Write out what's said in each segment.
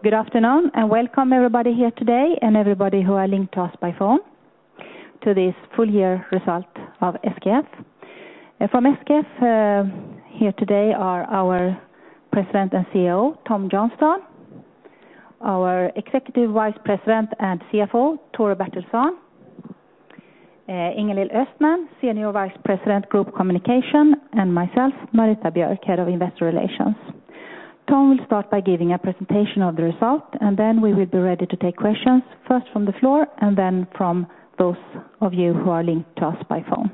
Good afternoon, and welcome everybody here today, and everybody who are linked to us by phone, to this full year result of SKF. And from SKF, here today are our President and Chief Executive Officer, Tom Johnstone, our Executive Vice President and Chief Financial Officer, Tore Bertilsson, Inga-Lill Östman, Senior Vice President Group Communications, and myself, Marita Björk, Head of Investor Relations. Tom will start by giving a presentation of the result, and then we will be ready to take questions, first from the floor, and then from those of you who are linked to us by phone.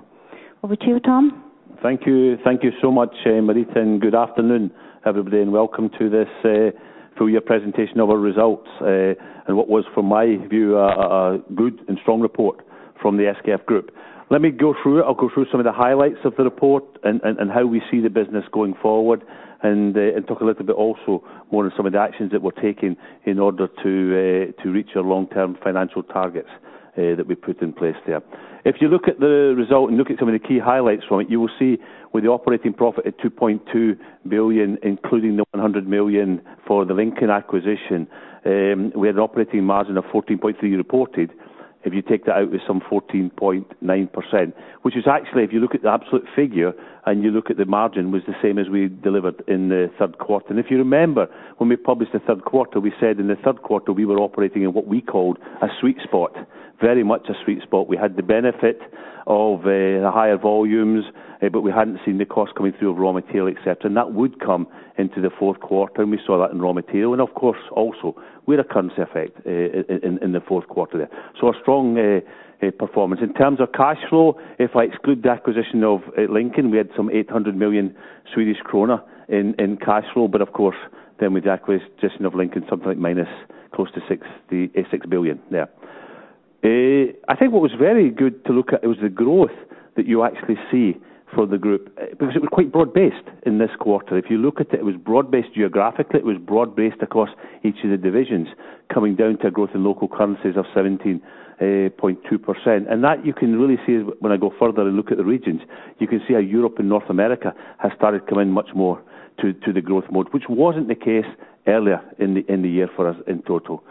Over to you, Tom. Thank you. Thank you so much, Marita, and good afternoon, everybody, and welcome to this full year presentation of our results, and what was, from my view, a good and strong report from the SKF Group. Let me go through it. I'll go through some of the highlights of the report and how we see the business going forward, and talk a little bit also more on some of the actions that we're taking in order to reach our long-term financial targets, that we put in place there. If you look at the result and look at some of the key highlights from it, you will see with the operating profit at 2.2 billion, including the 100 million for the Lincoln acquisition, we had an operating margin of 14.3% reported. If you take that out, it was some 14.9%, which is actually, if you look at the absolute figure and you look at the margin, was the same as we delivered in the third quarter. And if you remember, when we published the third quarter, we said in the third quarter we were operating in what we called a sweet spot, very much a sweet spot. We had the benefit of the higher volumes, but we hadn't seen the cost coming through of raw material, et cetera, and that would come into the fourth quarter, and we saw that in raw material. And of course, also, with a currency effect in the fourth quarter there. So a strong performance. In terms of cash flow, if I exclude the acquisition of Lincoln, we had some 800 million Swedish krona in cash flow, but of course, then with the acquisition of Lincoln, something like minus close to 6 billion there. I think what was very good to look at, it was the growth that you actually see for the group, because it was quite broad-based in this quarter. If you look at it, it was broad-based geographically, it was broad-based across each of the divisions, coming down to a growth in local currencies of 17.2%. And that you can really see when I go further and look at the regions. You can see how Europe and North America has started to come in much more to the growth mode, which wasn't the case earlier in the year for us in total.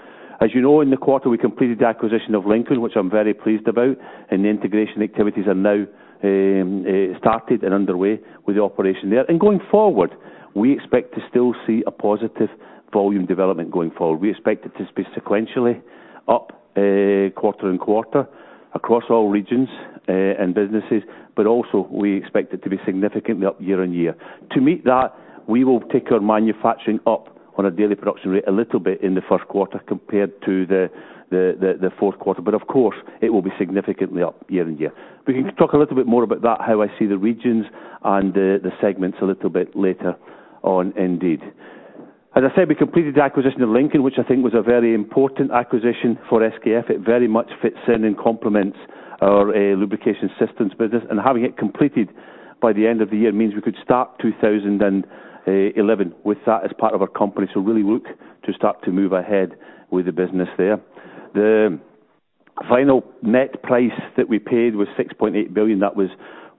As you know, in the quarter, we completed the acquisition of Lincoln, which I'm very pleased about, and the integration activities are now started and underway with the operation there. Going forward, we expect to still see a positive volume development going forward. We expect it to be sequentially up quarter and quarter across all regions and businesses, but also we expect it to be significantly up year-over-year. To meet that, we will take our manufacturing up on a daily production rate a little bit in the first quarter compared to the fourth quarter, but of course, it will be significantly up year-over-year. We can talk a little bit more about that, how I see the regions and the segments a little bit later on indeed. As I said, we completed the acquisition of Lincoln, which I think was a very important acquisition for SKF. It very much fits in and complements our lubrication systems business, and having it completed by the end of the year means we could start 2011 with that as part of our company. So really look to start to move ahead with the business there. The final net price that we paid was 6.8 billion. That was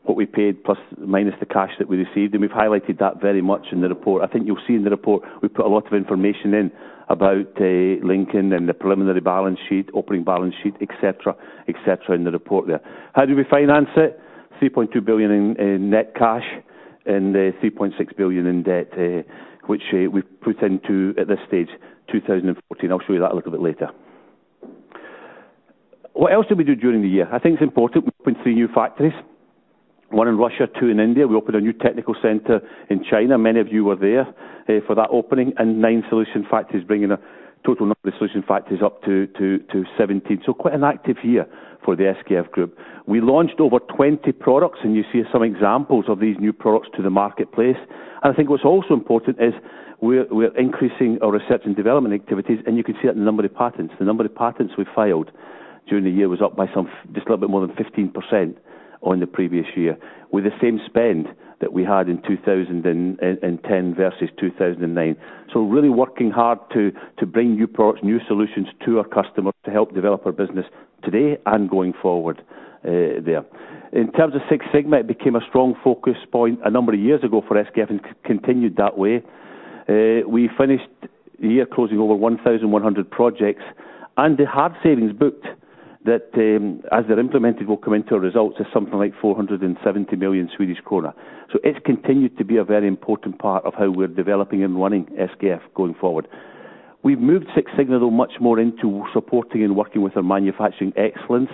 what we paid plus, minus the cash that we received, and we've highlighted that very much in the report. I think you'll see in the report, we put a lot of information in about, Lincoln and the preliminary balance sheet, opening balance sheet, et cetera, et cetera, in the report there. How do we finance it? 3.2 billion in net cash and three point six billion in debt, which we've put into, at this stage, 2014. I'll show you that a little bit later. What else did we do during the year? I think it's important, we opened three new factories, one in Russia, two in India. We opened a new technical center in China. Many of you were there, for that opening, and nine Solution Factories, bringing a total number of Solution Factories up to 17. So quite an active year for the SKF Group. We launched over 20 products, and you see some examples of these new products to the marketplace. I think what's also important is we're increasing our research and development activities, and you can see that in the number of patents. The number of patents we filed during the year was up by just a little bit more than 15% on the previous year, with the same spend that we had in 2010 versus 2009. Really working hard to bring new products, new solutions to our customers to help develop our business today and going forward, there. In terms of Six Sigma, it became a strong focus point a number of years ago for SKF and continued that way. We finished the year closing over 1,100 projects, and the hard savings booked that, as they're implemented, will come into our results as something like 470 million Swedish krona. So it's continued to be a very important part of how we're developing and running SKF going forward. We've moved Six Sigma, though, much more into supporting and working with our Manufacturing Excellence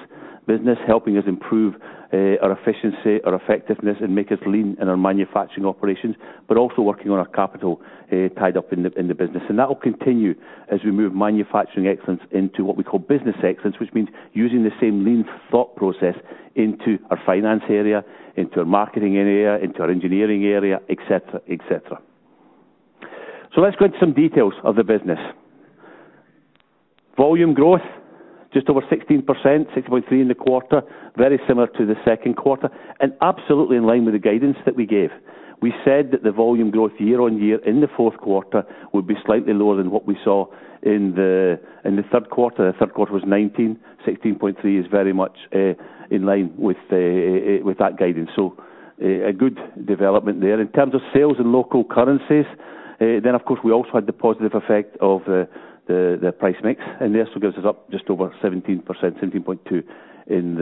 business, helping us improve our efficiency, our effectiveness, and make us lean in our manufacturing operations, but also working on our capital tied up in the business. And that will continue as we move Manufacturing Excellence into what we call Business Excellence, which means using the same lean thought process into our finance area, into our marketing area, into our engineering area, et cetera, et cetera. So let's go into some details of the business. Volume growth, just over 16%, 6.3 in the quarter, very similar to the second quarter, and absolutely in line with the guidance that we gave. We said that the volume growth year-over-year in the fourth quarter would be slightly lower than what we saw in the third quarter. The third quarter was 19, 16.3 is very much in line with that guidance. So a good development there. In terms of sales and local currencies... Then, of course, we also had the positive effect of the price mix, and this also gives us up just over 17%, 17.2 in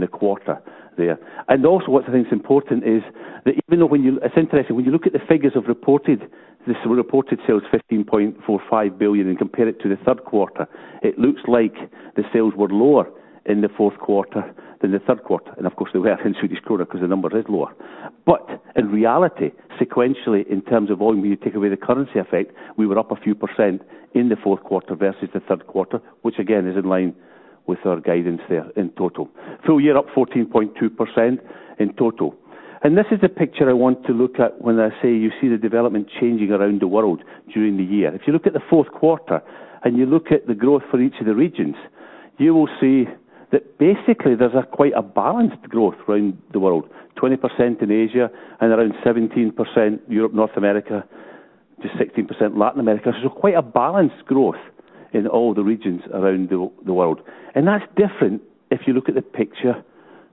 the quarter there. And also, what I think is important is that even though when you. It's interesting, when you look at the figures of reported, the reported sales, 15.45 billion, and compare it to the third quarter, it looks like the sales were lower in the fourth quarter than the third quarter, and of course, they were in Swedish krona because the number is lower. But in reality, sequentially, in terms of volume, when you take away the currency effect, we were up a few percent in the fourth quarter versus the third quarter, which again, is in line with our guidance there in total. So you're up 14.2% in total. And this is the picture I want to look at when I say you see the development changing around the world during the year. If you look at the fourth quarter, and you look at the growth for each of the regions, you will see that basically there's quite a balanced growth around the world. 20% in Asia and around 17% Europe, North America, to 16% Latin America. So quite a balanced growth in all the regions around the world. And that's different if you look at the picture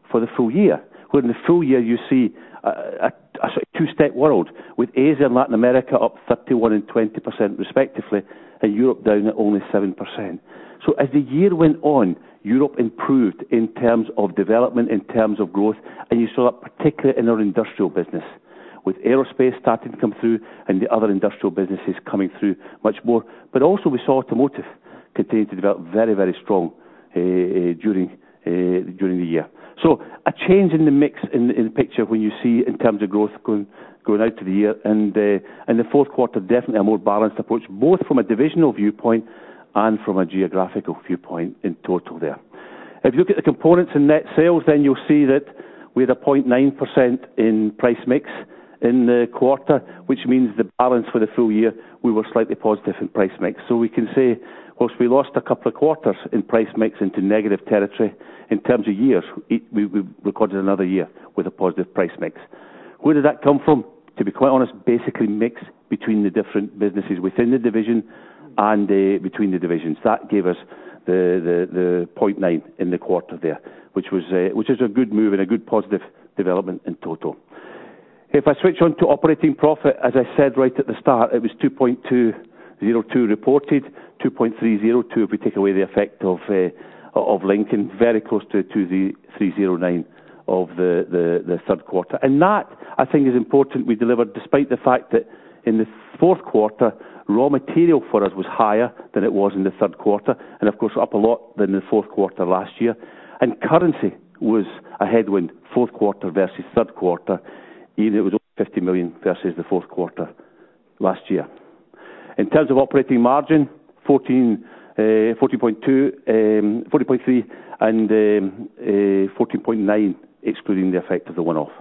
for the full year, where in the full year you see a sort of two-step world with Asia and Latin America up 31% and 20% respectively, and Europe down at only 7%. So as the year went on, Europe improved in terms of development, in terms of growth, and you saw it particularly in our industrial business, with aerospace starting to come through and the other industrial businesses coming through much more. But also we saw automotive continue to develop very, very strong during the year. So a change in the mix in the picture when you see in terms of growth going out to the year and the fourth quarter, definitely a more balanced approach, both from a divisional viewpoint and from a geographical viewpoint in total there. If you look at the components in net sales, then you'll see that we had 0.9% in price mix in the quarter, which means the balance for the full year, we were slightly positive in price mix. So we can say, while we lost a couple of quarters in price mix into negative territory, in terms of years, we, we recorded another year with a positive price mix. Where did that come from? To be quite honest, basically, mix between the different businesses within the division and, basically, between the divisions. That gave us the 0.9 in the quarter there, which was a good move and a good positive development in total. If I switch on to operating profit, as I said, right at the start, it was 2.202 billion reported, 2.302 billion if we take away the effect of Lincoln, very close to 2.309 billion of the third quarter. I think it is important we delivered, despite the fact that in the fourth quarter, raw material for us was higher than it was in the third quarter and, of course, up a lot than the fourth quarter last year. Currency was a headwind, fourth quarter versus third quarter, even it was only 50 million versus the fourth quarter last year. In terms of operating margin, 14, 14.2, 14.3 and 14.9, excluding the effect of the one-off.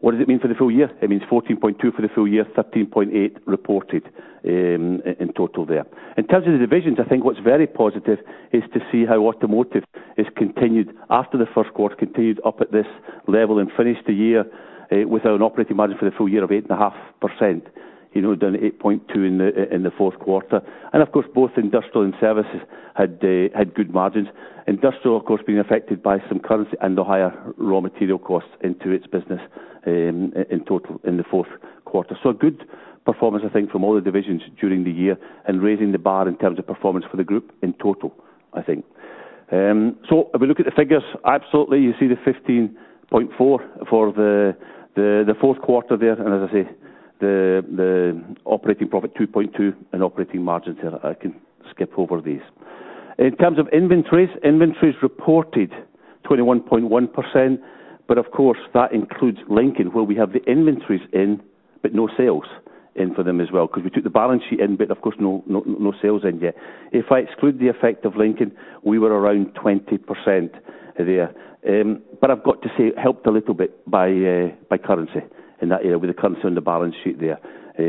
What does it mean for the full year? It means 14.2 for the full year, 13.8 reported, in total there. In terms of the divisions, I think what's very positive is to see how automotive is continued after the first quarter, continued up at this level and finished the year, with an operating margin for the full year of 8.5%, you know, down to 8.2% in the fourth quarter. Of course, both industrial and services had good margins. Industrial, of course, being affected by some currency and the higher raw material costs into its business, in total in the fourth quarter. So good performance, I think, from all the divisions during the year and raising the bar in terms of performance for the group in total, I think. So if we look at the figures, absolutely, you see the 15.4 for the fourth quarter there, and as I say, the operating profit, 2.2, and operating margins here. I can skip over these. In terms of inventories, inventories reported 21.1%, but of course, that includes Lincoln, where we have the inventories in but no sales in for them as well, because we took the balance sheet in, but of course no sales in yet. If I exclude the effect of Lincoln, we were around 20% there. But I've got to say, helped a little bit by, by currency in that area, with the currency on the balance sheet there,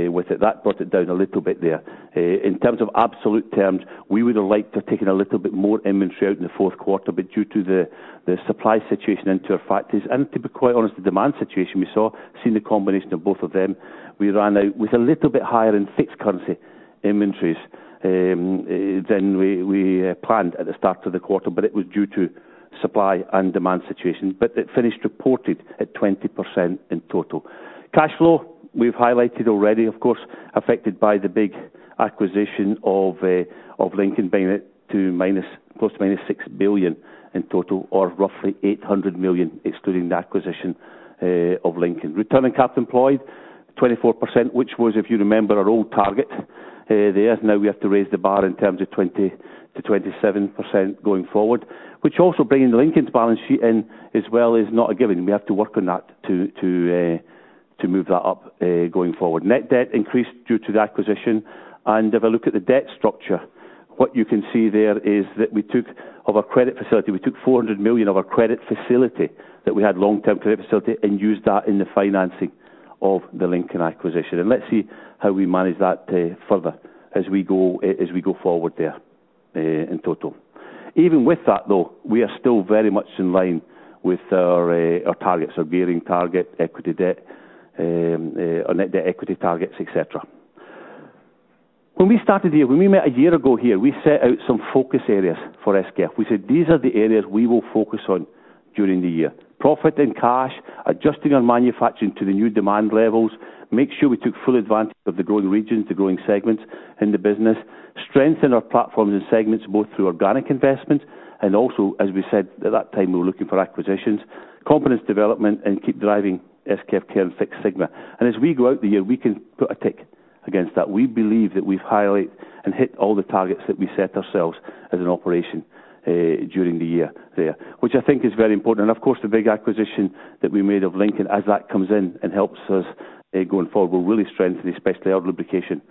with it, that brought it down a little bit there. In terms of absolute terms, we would have liked to have taken a little bit more inventory out in the fourth quarter, but due to the, the supply situation into our factories, and to be quite honest, the demand situation we saw, seeing the combination of both of them, we ran out with a little bit higher in fixed currency inventories, than we, we, planned at the start of the quarter, but it was due to supply and demand situations, but it finished reported at 20% in total. Cash flow, we've highlighted already, of course, affected by the big acquisition of Lincoln, bringing it to minus, close to minus 6 billion in total, or roughly 800 million, excluding the acquisition of Lincoln. Return on capital employed, 24%, which was, if you remember, our old target there. Now we have to raise the bar in terms of 20%-27% going forward, which also bringing Lincoln's balance sheet in as well, is not a given. We have to work on that to, to, to move that up, going forward. Net debt increased due to the acquisition. If I look at the debt structure, what you can see there is that we took of our credit facility, we took $400 million of our credit facility, that we had long-term credit facility, and used that in the financing of the Lincoln acquisition. Let's see how we manage that further as we go, as we go forward there, in total. Even with that though, we are still very much in line with our, our targets, our gearing target, equity debt, our net debt equity targets, et cetera. When we started here, when we met a year ago here, we set out some focus areas for SKF. We said, "These are the areas we will focus on during the year: profit and cash, adjusting our manufacturing to the new demand levels, make sure we took full advantage of the growing regions, the growing segments in the business, strengthen our platforms and segments, both through organic investments, and also, as we said at that time, we were looking for acquisitions, competence development, and keep driving SKF Care and Six Sigma." And as we go out the year, we can put a tick against that. We believe that we've highlight and hit all the targets that we set ourselves as an operation, during the year there, which I think is very important. And of course, the big acquisition that we made of Lincoln, as that comes in and helps us, going forward, will really strengthen, especially our lubrication,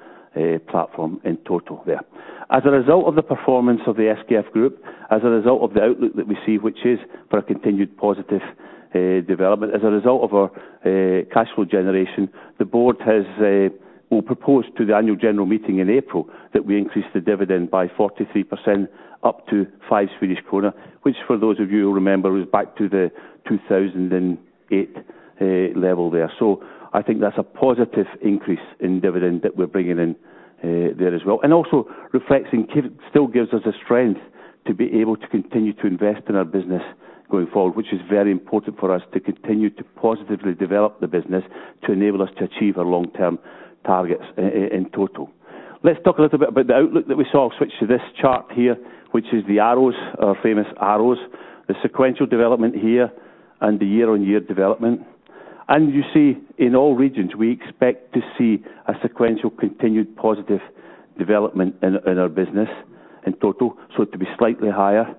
platform in total there. As a result of the performance of the SKF Group, as a result of the outlook that we see, which is for a continued positive development, as a result of our cash flow generation, the board will propose to the annual general meeting in April that we increase the dividend by 43% up to 5 Swedish krona, which for those of you who remember, was back to the 2008 level there. So I think that's a positive increase in dividend that we're bringing in there as well. And also, reflecting still gives us a strength to be able to continue to invest in our business going forward, which is very important for us to continue to positively develop the business, to enable us to achieve our long-term targets in total. Let's talk a little bit about the outlook that we saw. I'll switch to this chart here, which is the arrows, our famous arrows, the sequential development here and the year-on-year development. You see in all regions, we expect to see a sequential continued positive development in our business in total, so to be slightly higher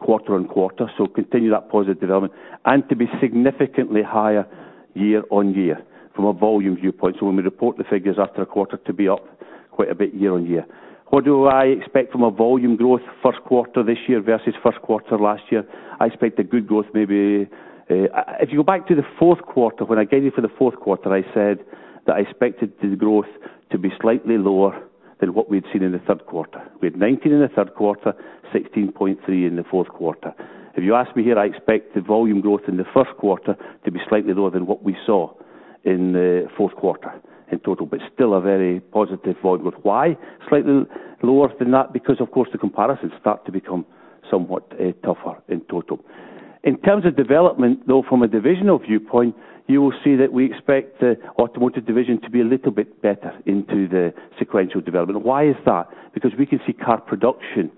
quarter on quarter, so continue that positive development and to be significantly higher year on year from a volume viewpoint. So when we report the figures after a quarter to be up quite a bit year on year. What do I expect from a volume growth first quarter this year versus first quarter last year? I expect a good growth, maybe... If you go back to the fourth quarter, when I guided you for the fourth quarter, I said that I expected the growth to be slightly lower than what we'd seen in the third quarter. We had 19 in the third quarter, 16.3 in the fourth quarter. If you ask me here, I expect the volume growth in the first quarter to be slightly lower than what we saw in the fourth quarter in total, but still a very positive volume growth. Why slightly lower than that? Because, of course, the comparisons start to become somewhat tougher in total. In terms of development, though, from a divisional viewpoint, you will see that we expect the automotive division to be a little bit better into the sequential development. Why is that? Because we can see car production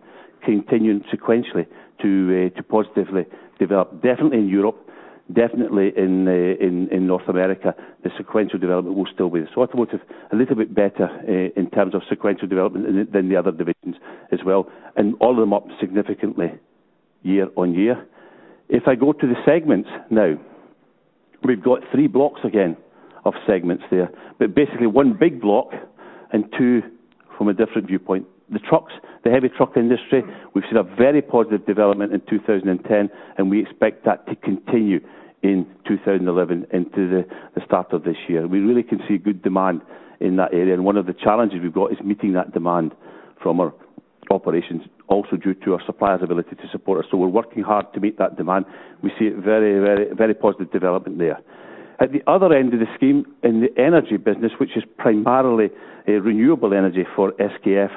continuing sequentially to positively develop, definitely in Europe, definitely in North America, the sequential development will still be the... So automotive, a little bit better in terms of sequential development than the other divisions as well, and all of them up significantly year on year. If I go to the segments now, we've got three blocks again of segments there, but basically one big block and two from a different viewpoint. The trucks, the heavy truck industry, we've seen a very positive development in 2010, and we expect that to continue in 2011 into the start of this year. We really can see good demand in that area, and one of the challenges we've got is meeting that demand from our operations, also due to our suppliers' ability to support us. So we're working hard to meet that demand. We see a very, very, very positive development there. At the other end of the scheme, in the energy business, which is primarily a renewable energy for SKF,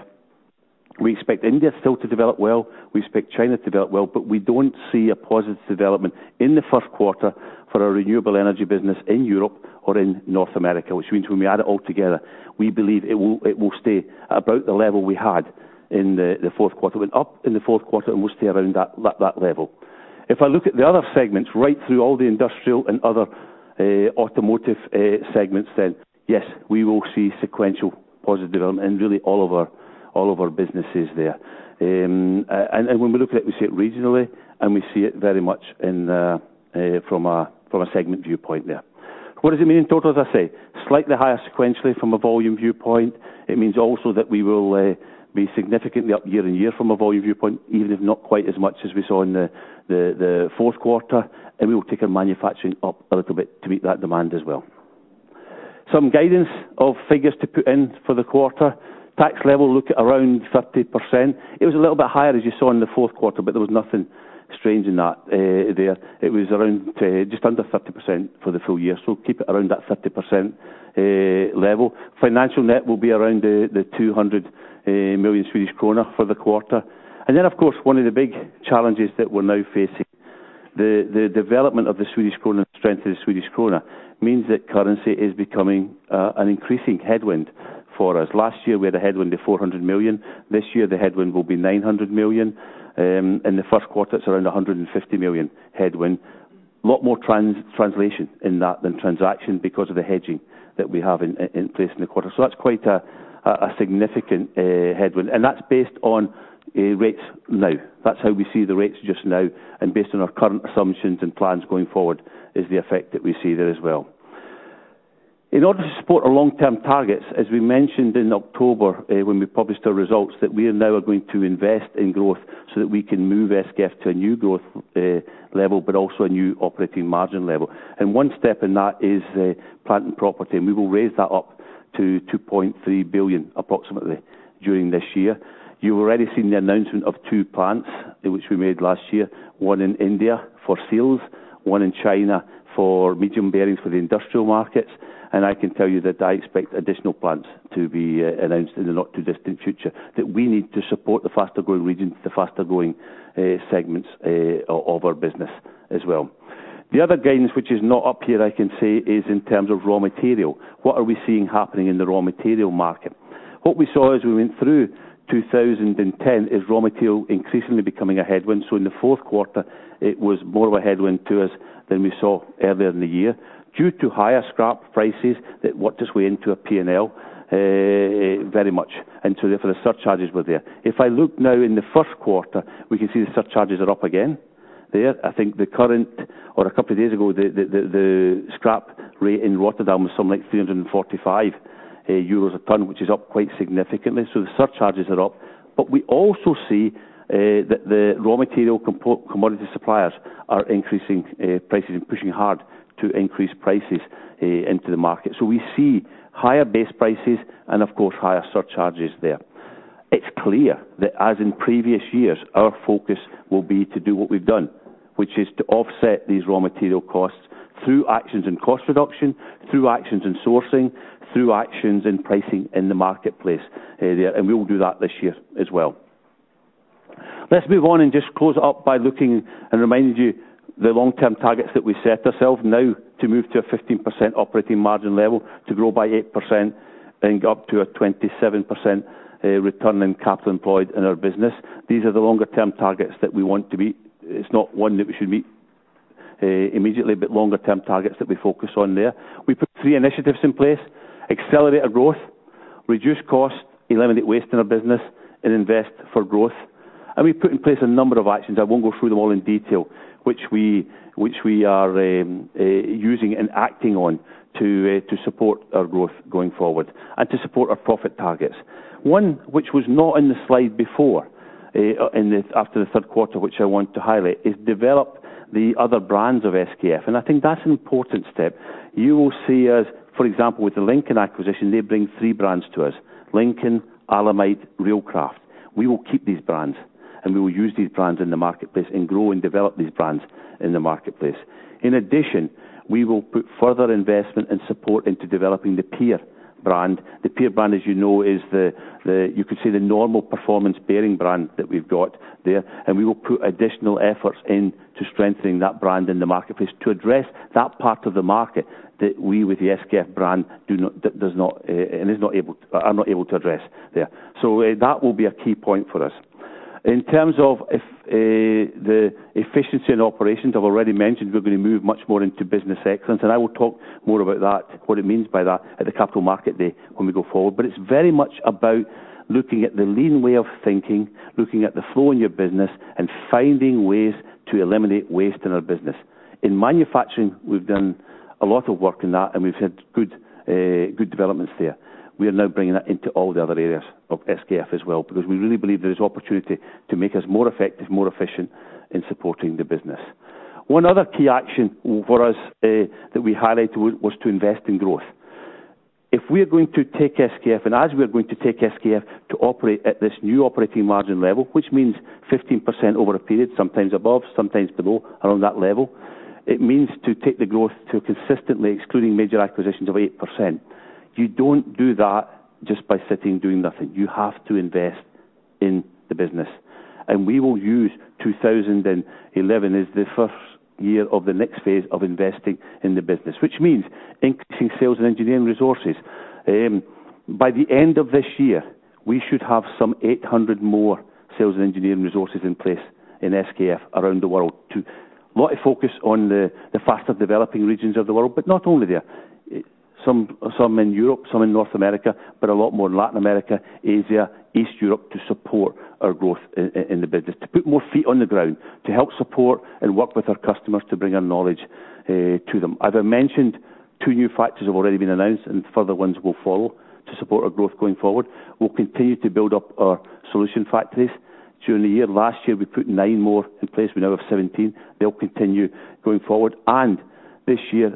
we expect India still to develop well, we expect China to develop well, but we don't see a positive development in the first quarter for our renewable energy business in Europe or in North America, which means when we add it all together, we believe it will stay about the level we had in the fourth quarter. It went up in the fourth quarter and will stay around that level. If I look at the other segments, right through all the industrial and other automotive segments, then yes, we will see sequential positive development in really all of our businesses there. When we look at it, we see it regionally, and we see it very much in from a segment viewpoint there. What does it mean in total? As I say, slightly higher sequentially from a volume viewpoint. It means also that we will be significantly up year on year from a volume viewpoint, even if not quite as much as we saw in the fourth quarter, and we will take our manufacturing up a little bit to meet that demand as well. Some guidance of figures to put in for the quarter. Tax level, look at around 30%. It was a little bit higher, as you saw in the fourth quarter, but there was nothing strange in that. It was around just under 30% for the full year, so keep it around that 30% level. Financial net will be around the 200 million Swedish kronor for the quarter. And then, of course, one of the big challenges that we're now facing, the development of the Swedish krona and strength of the Swedish krona, means that currency is becoming an increasing headwind for us. Last year, we had a headwind of 400 million. This year, the headwind will be 900 million. In the first quarter, it's around a 150 million headwind. A lot more translation in that than transaction because of the hedging that we have in place in the quarter. So that's quite a significant headwind, and that's based on rates now. That's how we see the rates just now and based on our current assumptions and plans going forward, is the effect that we see there as well. In order to support our long-term targets, as we mentioned in October, when we published our results, that we now are going to invest in growth so that we can move SKF to a new growth level, but also a new operating margin level. And one step in that is, plant and property, and we will raise that up to approximately 2.3 billion during this year. You've already seen the announcement of two plants, which we made last year, one in India for seals, one in China for medium bearings for the industrial markets, and I can tell you that I expect additional plants to be announced in the not-too-distant future, that we need to support the faster-growing regions, the faster-growing segments, of, of our business as well. The other guidance, which is not up here, I can say, is in terms of raw material. What are we seeing happening in the raw material market? What we saw as we went through 2010 is raw material increasingly becoming a headwind. So in the fourth quarter, it was more of a headwind to us than we saw earlier in the year, due to higher scrap prices that worked its way into a PNL, very much, and so therefore, the surcharges were there. If I look now in the first quarter, we can see the surcharges are up again there. I think the current or a couple of days ago, the scrap rate in Rotterdam was something like 345 euros a ton, which is up quite significantly, so the surcharges are up. But we also see that the raw material commodity suppliers are increasing prices and pushing hard to increase prices into the market. So we see higher base prices and of course, higher surcharges there. It's clear that as in previous years, our focus will be to do what we've done, which is to offset these raw material costs through actions and cost reduction, through actions and sourcing, through actions and pricing in the marketplace, there, and we will do that this year as well. Let's move on and just close up by looking and reminding you the long-term targets that we set ourselves now to move to a 15% operating margin level, to grow by 8% and get up to a 27% return on capital employed in our business. These are the longer-term targets that we want to meet. It's not one that we should meet immediately, but longer-term targets that we focus on there. We put three initiatives in place: accelerated growth, reduce costs, eliminate waste in our business, and invest for growth. We put in place a number of actions. I won't go through them all in detail, which we are using and acting on to support our growth going forward and to support our profit targets. One, which was not in the slide before, after the third quarter, which I want to highlight, is develop the other brands of SKF, and I think that's an important step. You will see, for example, with the Lincoln acquisition, they bring three brands to us, Lincoln, Alemite, Reelcraft. We will keep these brands, and we will use these brands in the marketplace and grow and develop these brands in the marketplace. In addition, we will put further investment and support into developing the Peer brand. The Peer brand, as you know, is the—you could say, the normal performance bearing brand that we've got there, and we will put additional efforts into strengthening that brand in the marketplace to address that part of the market that we, with the SKF brand, do not, does not, and is not able, are not able to address there. So that will be a key point for us. In terms of the efficiency and operations, I've already mentioned, we're going to move much more into Business Excellence, and I will talk more about that, what it means by that at the Capital Markets Day when we go forward. But it's very much about looking at the lean way of thinking, looking at the flow in your business, and finding ways to eliminate waste in our business. In manufacturing, we've done a lot of work in that, and we've had good, good developments there. We are now bringing that into all the other areas of SKF as well, because we really believe there is opportunity to make us more effective, more efficient in supporting the business. One other key action for us, that we highlight was to invest in growth. If we are going to take SKF, and as we are going to take SKF to operate at this new operating margin level, which means 15% over a period, sometimes above, sometimes below, around that level, it means to take the growth to consistently excluding major acquisitions of 8%. You don't do that just by sitting, doing nothing. You have to invest in the business, and we will use 2011 as the first year of the next phase of investing in the business, which means increasing sales and engineering resources. By the end of this year, we should have some 800 more sales and engineering resources in place in SKF around the world to... A lot of focus on the faster developing regions of the world, but not only there. Some in Europe, some in North America, but a lot more in Latin America, Asia, East Europe, to support our growth in the business, to put more feet on the ground, to help support and work with our customers, to bring our knowledge to them. As I mentioned, two new factories have already been announced, and further ones will follow to support our growth going forward. We'll continue to build up our solution factories during the year. Last year, we put nine more in place. We now have 17. They'll continue going forward, and this year,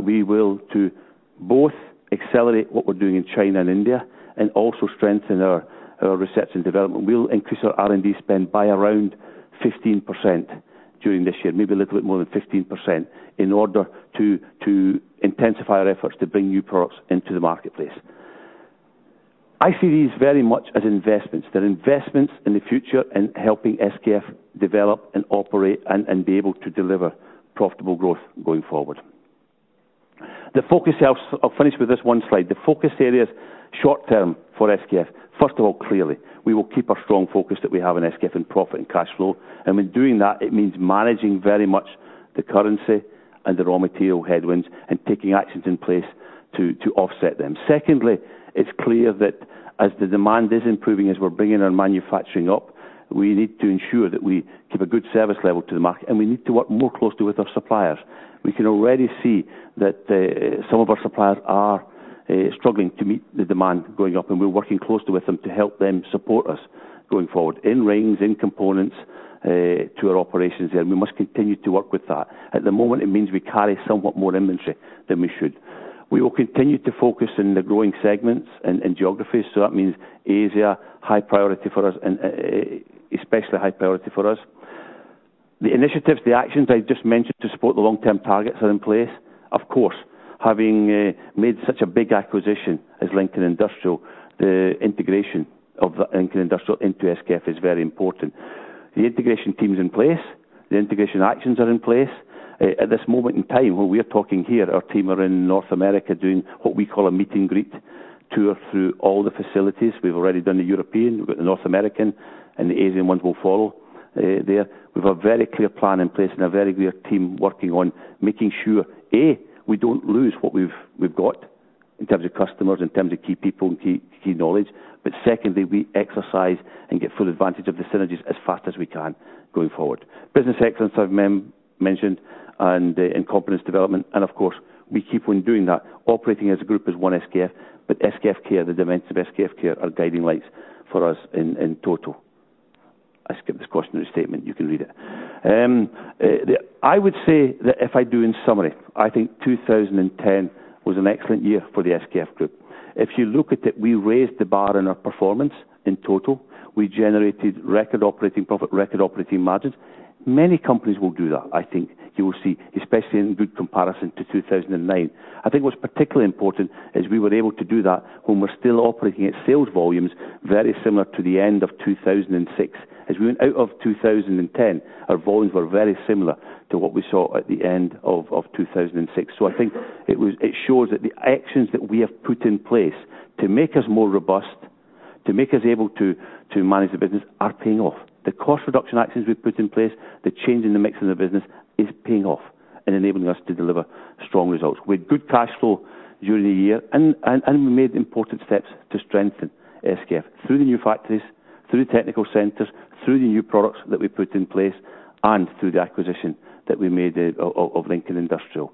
we will to both accelerate what we're doing in China and India and also strengthen our, our research and development. We'll increase our R&D spend by around 15% during this year, maybe a little bit more than 15%, in order to, to intensify our efforts to bring new products into the marketplace. I see these very much as investments. They're investments in the future in helping SKF develop and operate and, and be able to deliver profitable growth going forward. The focus... I'll, I'll finish with this one slide. The focus areas short term for SKF, first of all, clearly, we will keep a strong focus that we have in SKF in profit and cash flow. And in doing that, it means managing very much the currency and the raw material headwinds and taking actions in place to offset them. Secondly, it's clear that as the demand is improving, as we're bringing our manufacturing up, we need to ensure that we keep a good service level to the market, and we need to work more closely with our suppliers. We can already see that some of our suppliers are struggling to meet the demand going up, and we're working closely with them to help them support us going forward in rings, in components, to our operations, and we must continue to work with that. At the moment, it means we carry somewhat more inventory than we should. We will continue to focus in the growing segments and geographies, so that means Asia, high priority for us, and especially high priority for us. The initiatives, the actions I just mentioned to support the long-term targets are in place. Of course, having made such a big acquisition as Lincoln Industrial, the integration of Lincoln Industrial into SKF is very important. The integration team is in place. The integration actions are in place. At this moment in time, while we are talking here, our team are in North America doing what we call a meet-and-greet tour through all the facilities. We've already done the European, we've got the North American, and the Asian ones will follow there. We've a very clear plan in place and a very clear team working on making sure, A, we don't lose what we've got in terms of customers, in terms of key people and key knowledge. But secondly, we exercise and get full advantage of the synergies as fast as we can going forward. Business Excellence I've mentioned and competence development, and of course, we keep on doing that, operating as a group as one SKF, but SKF Care, the demands of SKF Care are guiding lights for us in total. I skipped this question in the statement. You can read it. I would say that if I do in summary, I think 2010 was an excellent year for the SKF Group. If you look at it, we raised the bar in our performance in total. We generated record operating profit, record operating margins. Many companies will do that, I think you will see, especially in good comparison to 2009. I think what's particularly important is we were able to do that when we're still operating at sales volumes very similar to the end of 2006. As we went out of 2010, our volumes were very similar to what we saw at the end of 2006. So I think it was, it shows that the actions that we have put in place to make us more robust, to make us able to, to manage the business, are paying off. The cost reduction actions we've put in place, the change in the mix in the business is paying off and enabling us to deliver strong results. We had good cash flow during the year and we made important steps to strengthen SKF through the new factories, through the technical centers, through the new products that we put in place, and through the acquisition that we made of Lincoln Industrial.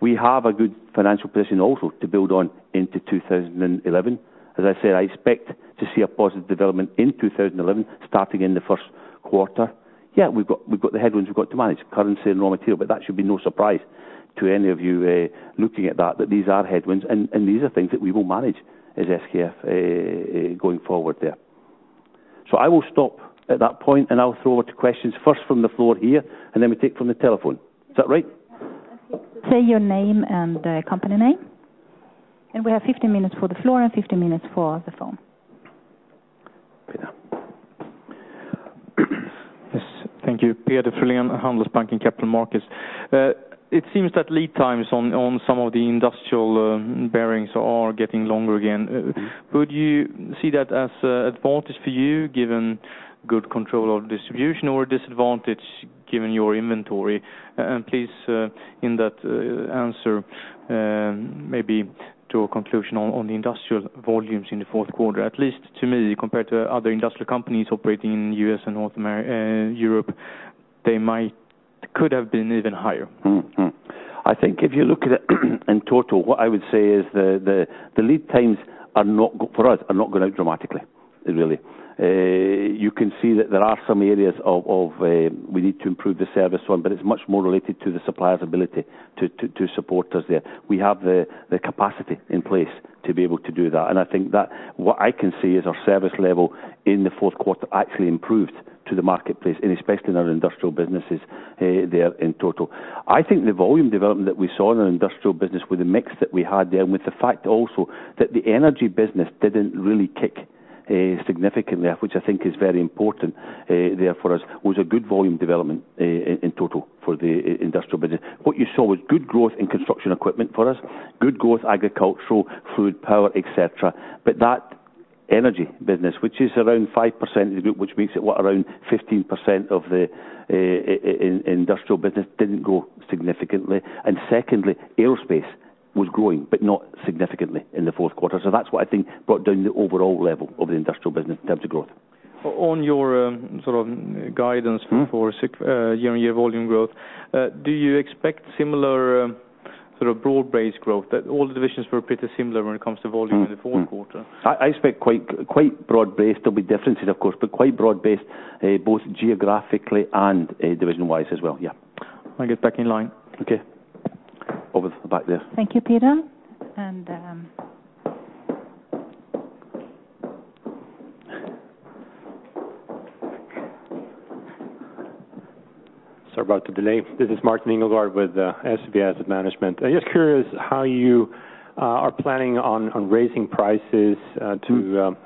We have a good financial position also to build on into 2011. As I said, I expect to see a positive development in 2011, starting in the first quarter. Yeah, we've got the headwinds we've got to manage, currency and raw material, but that should be no surprise to any of you, looking at that these are headwinds, and these are things that we will manage as SKF, going forward there. I will stop at that point, and I'll throw over to questions first from the floor here, and then we take from the telephone. Is that right? Say your name and company name, and we have 15 minutes for the floor and 15 minutes for the phone. Yes. Thank you. Peder Frölén, Handelsbanken Capital Markets. It seems that lead times on some of the industrial bearings are getting longer again. Would you see that as a advantage for you, given good control of distribution or a disadvantage, given your inventory? And please, in that answer, maybe draw a conclusion on the industrial volumes in the fourth quarter, at least to me, compared to other industrial companies operating in U.S. and North America, Europe, they might... could have been even higher. Mm-hmm. I think if you look at it in total, what I would say is the lead times are not going out for us dramatically, really. You can see that there are some areas we need to improve the service on, but it's much more related to the supplier's ability to support us there. We have the capacity in place to be able to do that, and I think that what I can say is our service level in the fourth quarter actually improved to the marketplace, and especially in our industrial businesses there in total. I think the volume development that we saw in the industrial business with the mix that we had there, and with the fact also that the energy business didn't really kick significantly, which I think is very important there for us, was a good volume development in total for the industrial business. What you saw was good growth in construction equipment for us, good growth agricultural, fluid power, et cetera. But that energy business, which is around 5% of the group, which makes it what? Around 15% of the industrial business, didn't grow significantly. And secondly, aerospace was growing, but not significantly in the fourth quarter. So that's what I think brought down the overall level of the industrial business in terms of growth. On your, sort of guidance- Mm-hmm. For SKF, year-on-year volume growth, do you expect similar sort of broad-based growth, that all the divisions were pretty similar when it comes to volume in the fourth quarter? Mm-hmm. I expect quite broad-based. There'll be differences, of course, but quite broad-based both geographically and division-wise as well. Yeah. I get back in line. Okay. Over to the back there. Thank you, Peder. And... Sorry about the delay. This is Martin Englund with SEB Asset Management. I'm just curious how you are planning on raising prices? To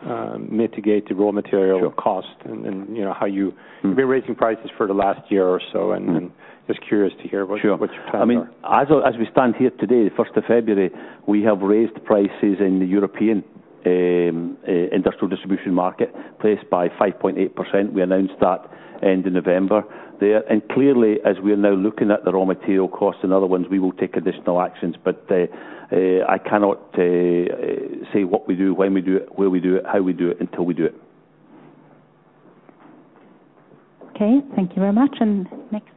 mitigate the raw material-cost and, you know, how you-Mm You've been raising prices for the last year or so, and- - just curious to hear what- What your plans are? I mean, as, as we stand here today, the first of February, we have raised prices in the European industrial distribution market place by 5.8%. We announced that end of November there, and clearly, as we are now looking at the raw material costs and other ones, we will take additional actions. But I cannot say what we do, when we do it, where we do it, how we do it until we do it. Okay. Thank you very much, and next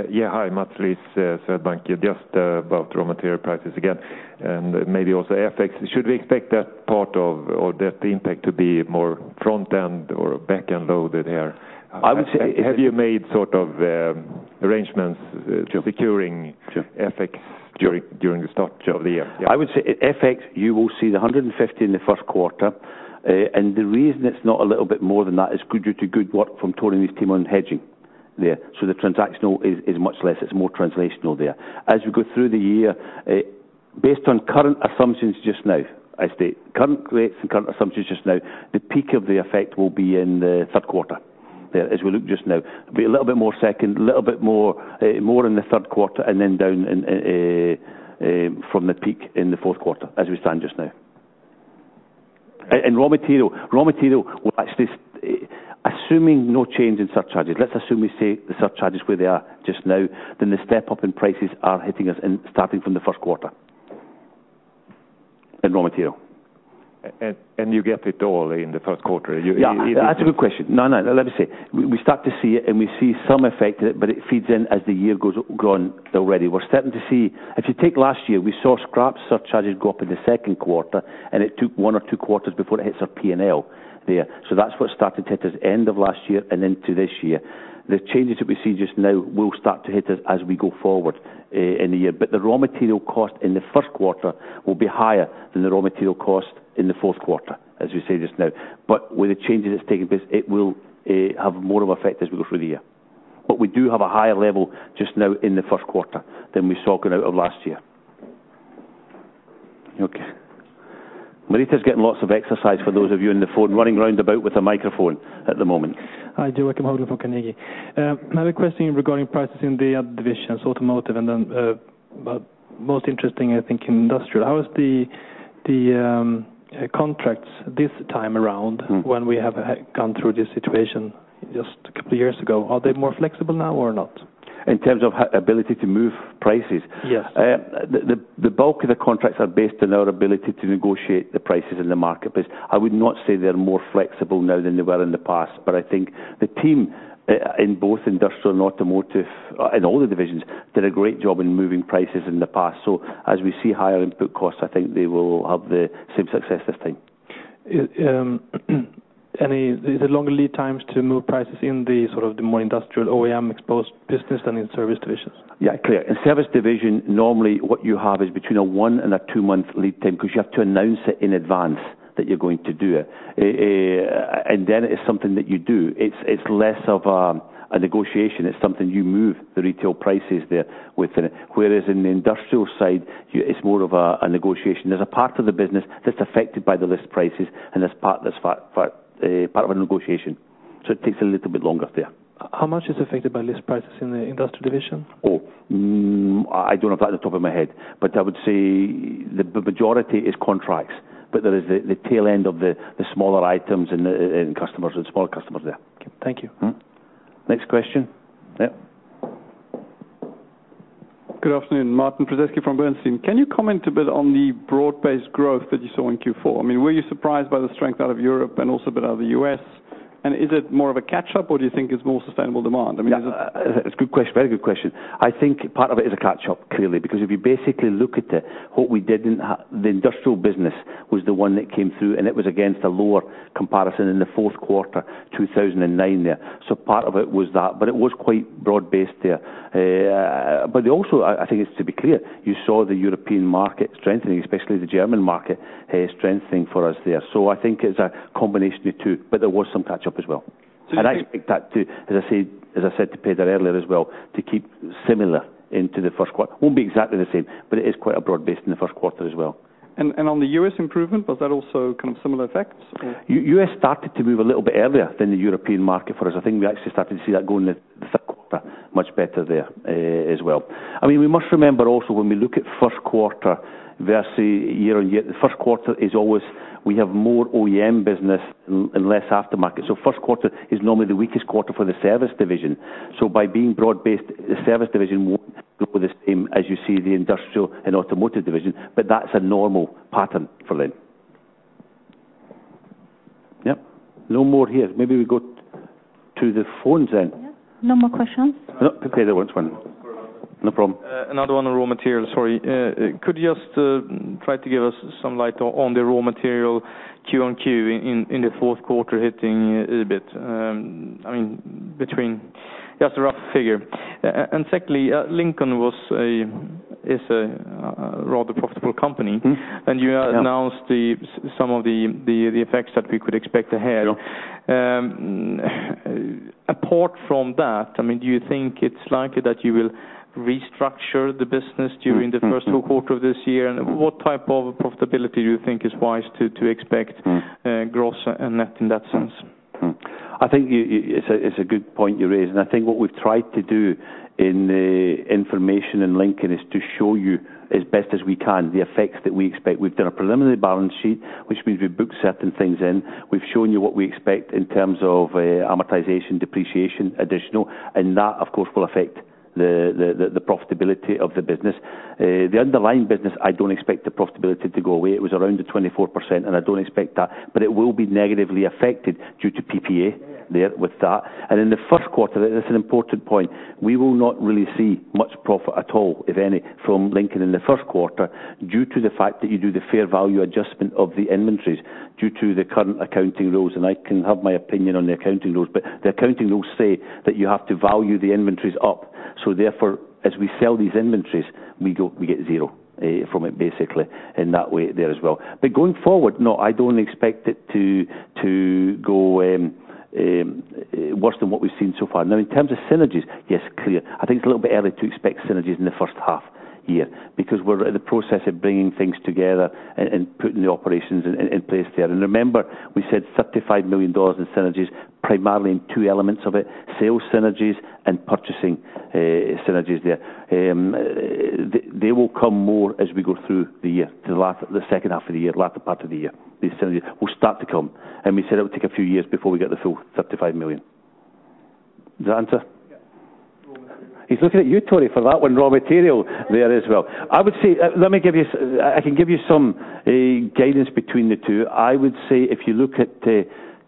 question. Yeah. Hi, Matt Liss, Swedbank. Just about raw material prices again, and maybe also FX. Should we expect that part of or that impact to be more front end or back end loaded here? I would say- Have you made sort of arrangements- - securing- FX during the start of the year? I would say FX, you will see the 150 in the first quarter, and the reason it's not a little bit more than that is due to good work from Tore's team on hedging there. So the transactional is, is much less. It's more translational there. As we go through the year, Based on current assumptions just now, I state current rates and current assumptions just now, the peak of the effect will be in the third quarter. As we look just now, be a little bit more second, a little bit more, more in the third quarter, and then down in, from the peak in the fourth quarter as we stand just now. Raw material, raw material will actually, assuming no change in surcharges, let's assume we see the surcharges where they are just now, then the step up in prices are hitting us in starting from the first quarter in raw material. You get it all in the first quarter? You, you- Yeah, that's a good question. No, no, let me say, we start to see it, and we see some effect of it, but it feeds in as the year goes gone already. We're starting to see. If you take last year, we saw scrap surcharges go up in the second quarter, and it took one or two quarters before it hits our P&L there. So that's what started to hit us end of last year and into this year. The changes that we see just now will start to hit us as we go forward in the year. But the raw material cost in the first quarter will be higher than the raw material cost in the fourth quarter, as we say just now. But with the changes that's taking place, it will have more of effect as we go through the year. But we do have a higher level just now in the first quarter than we saw going out of last year. Okay. Marita is getting lots of exercise for those of you on the phone, running round about with a microphone at the moment. Hi, Joe. Another question regarding prices in the other divisions, automotive, and then, but most interesting, I think, in industrial. How is the contracts this time around- Mm. When we have gone through this situation just a couple of years ago? Are they more flexible now or not? In terms of ability to move prices? Yes. The bulk of the contracts are based on our ability to negotiate the prices in the marketplace. I would not say they're more flexible now than they were in the past, but I think the team in both industrial and automotive in all the divisions did a great job in moving prices in the past. So as we see higher input costs, I think they will have the same success this time. Is the longer lead times to move prices in the sort of more industrial OEM-exposed business than in service divisions? Yeah, clear. In service division, normally what you have is between a 1- and 2-month lead time because you have to announce it in advance that you're going to do it. And then it's something that you do. It's, it's less of a, a negotiation. It's something you move the retail prices there within it. Whereas in the industrial side, you, it's more of a, a negotiation. There's a part of the business that's affected by the list prices, and there's part that's part of a negotiation, so it takes a little bit longer there. How much is affected by list prices in the industrial division? I don't have that at the top of my head, but I would say the majority is contracts, but there is the tail end of the smaller items and the customers, the small customers there. Thank you. Mm-hmm. Next question. Yeah. Good afternoon, Martin Prozesky from Bernstein. Can you comment a bit on the broad-based growth that you saw in Q4? I mean, were you surprised by the strength out of Europe and also a bit out of the U.S., and is it more of a catch-up, or do you think it's more sustainable demand? I mean, is it- Yeah, it's a good question. Very good question. I think part of it is a catch-up, clearly, because if you basically look at what we did in the industrial business was the one that came through, and it was against a lower comparison in the fourth quarter, 2009 there. So part of it was that, but it was quite broad-based there. But also, I think, just to be clear, you saw the European market strengthening, especially the German market, strengthening for us there. So I think it's a combination of two, but there was some catch-up as well. So- I expect that to, as I said, as I said to Peder earlier as well, to keep similar into the first quarter. Won't be exactly the same, but it is quite a broad base in the first quarter as well. And on the U.S. improvement, was that also kind of similar effects or? U.S. started to move a little bit earlier than the European market for us. I think we actually started to see that go in the third quarter, much better there, as well. I mean, we must remember also when we look at first quarter versus year-on-year, the first quarter is always we have more OEM business and less aftermarket. So first quarter is normally the weakest quarter for the service division. So by being broad-based, the service division won't go the same as you see the industrial and automotive division, but that's a normal pattern for them. Yep. No more here. Maybe we go to the phones then. Yeah. No more questions. No, okay, there was one. No problem. Another one on raw material, sorry. Could you just try to give us some light on the raw material Q-on-Q in the fourth quarter hitting a little bit? I mean, between... Just a rough figure. And secondly, Lincoln was, is a rather profitable company- Mm-hmm. and you have announced some of the effects that we could expect ahead. Yeah. Apart from that, I mean, do you think it's likely that you will restructure the business during the first full quarter of this year? Mm-hmm. What type of profitability do you think is wise to expect- Mm. Gross and net in that sense? Mm-hmm. I think you... It's a good point you raise, and I think what we've tried to do in the information in Lincoln is to show you, as best as we can, the effects that we expect. We've done a preliminary balance sheet, which means we've booked certain things in. We've shown you what we expect in terms of amortization, depreciation, additional, and that, of course, will affect the profitability of the business. The underlying business, I don't expect the profitability to go away. It was around the 24%, and I don't expect that, but it will be negatively affected due to PPA there with that. In the first quarter, this is an important point, we will not really see much profit at all, if any, from Lincoln in the first quarter, due to the fact that you do the fair value adjustment of the inventories due to the current accounting rules, and I can have my opinion on the accounting rules. The accounting rules say that you have to value the inventories up, so therefore, as we sell these inventories, we get zero from it, basically, in that way there as well. Going forward, no, I don't expect it to go worse than what we've seen so far. Now, in terms of synergies, yes, clear. I think it's a little bit early to expect synergies in the first half. year, because we're in the process of bringing things together and putting the operations in place there. And remember, we said $35 million in synergies, primarily in two elements of it: sales synergies and purchasing synergies there. They will come more as we go through the year, to the second half of the year, latter part of the year. These synergies will start to come, and we said it would take a few years before we get the full $35 million. Does that answer? He's looking at you, Tony, for that one. Raw material there as well. I would say, let me give you. I can give you some guidance between the two. I would say if you look at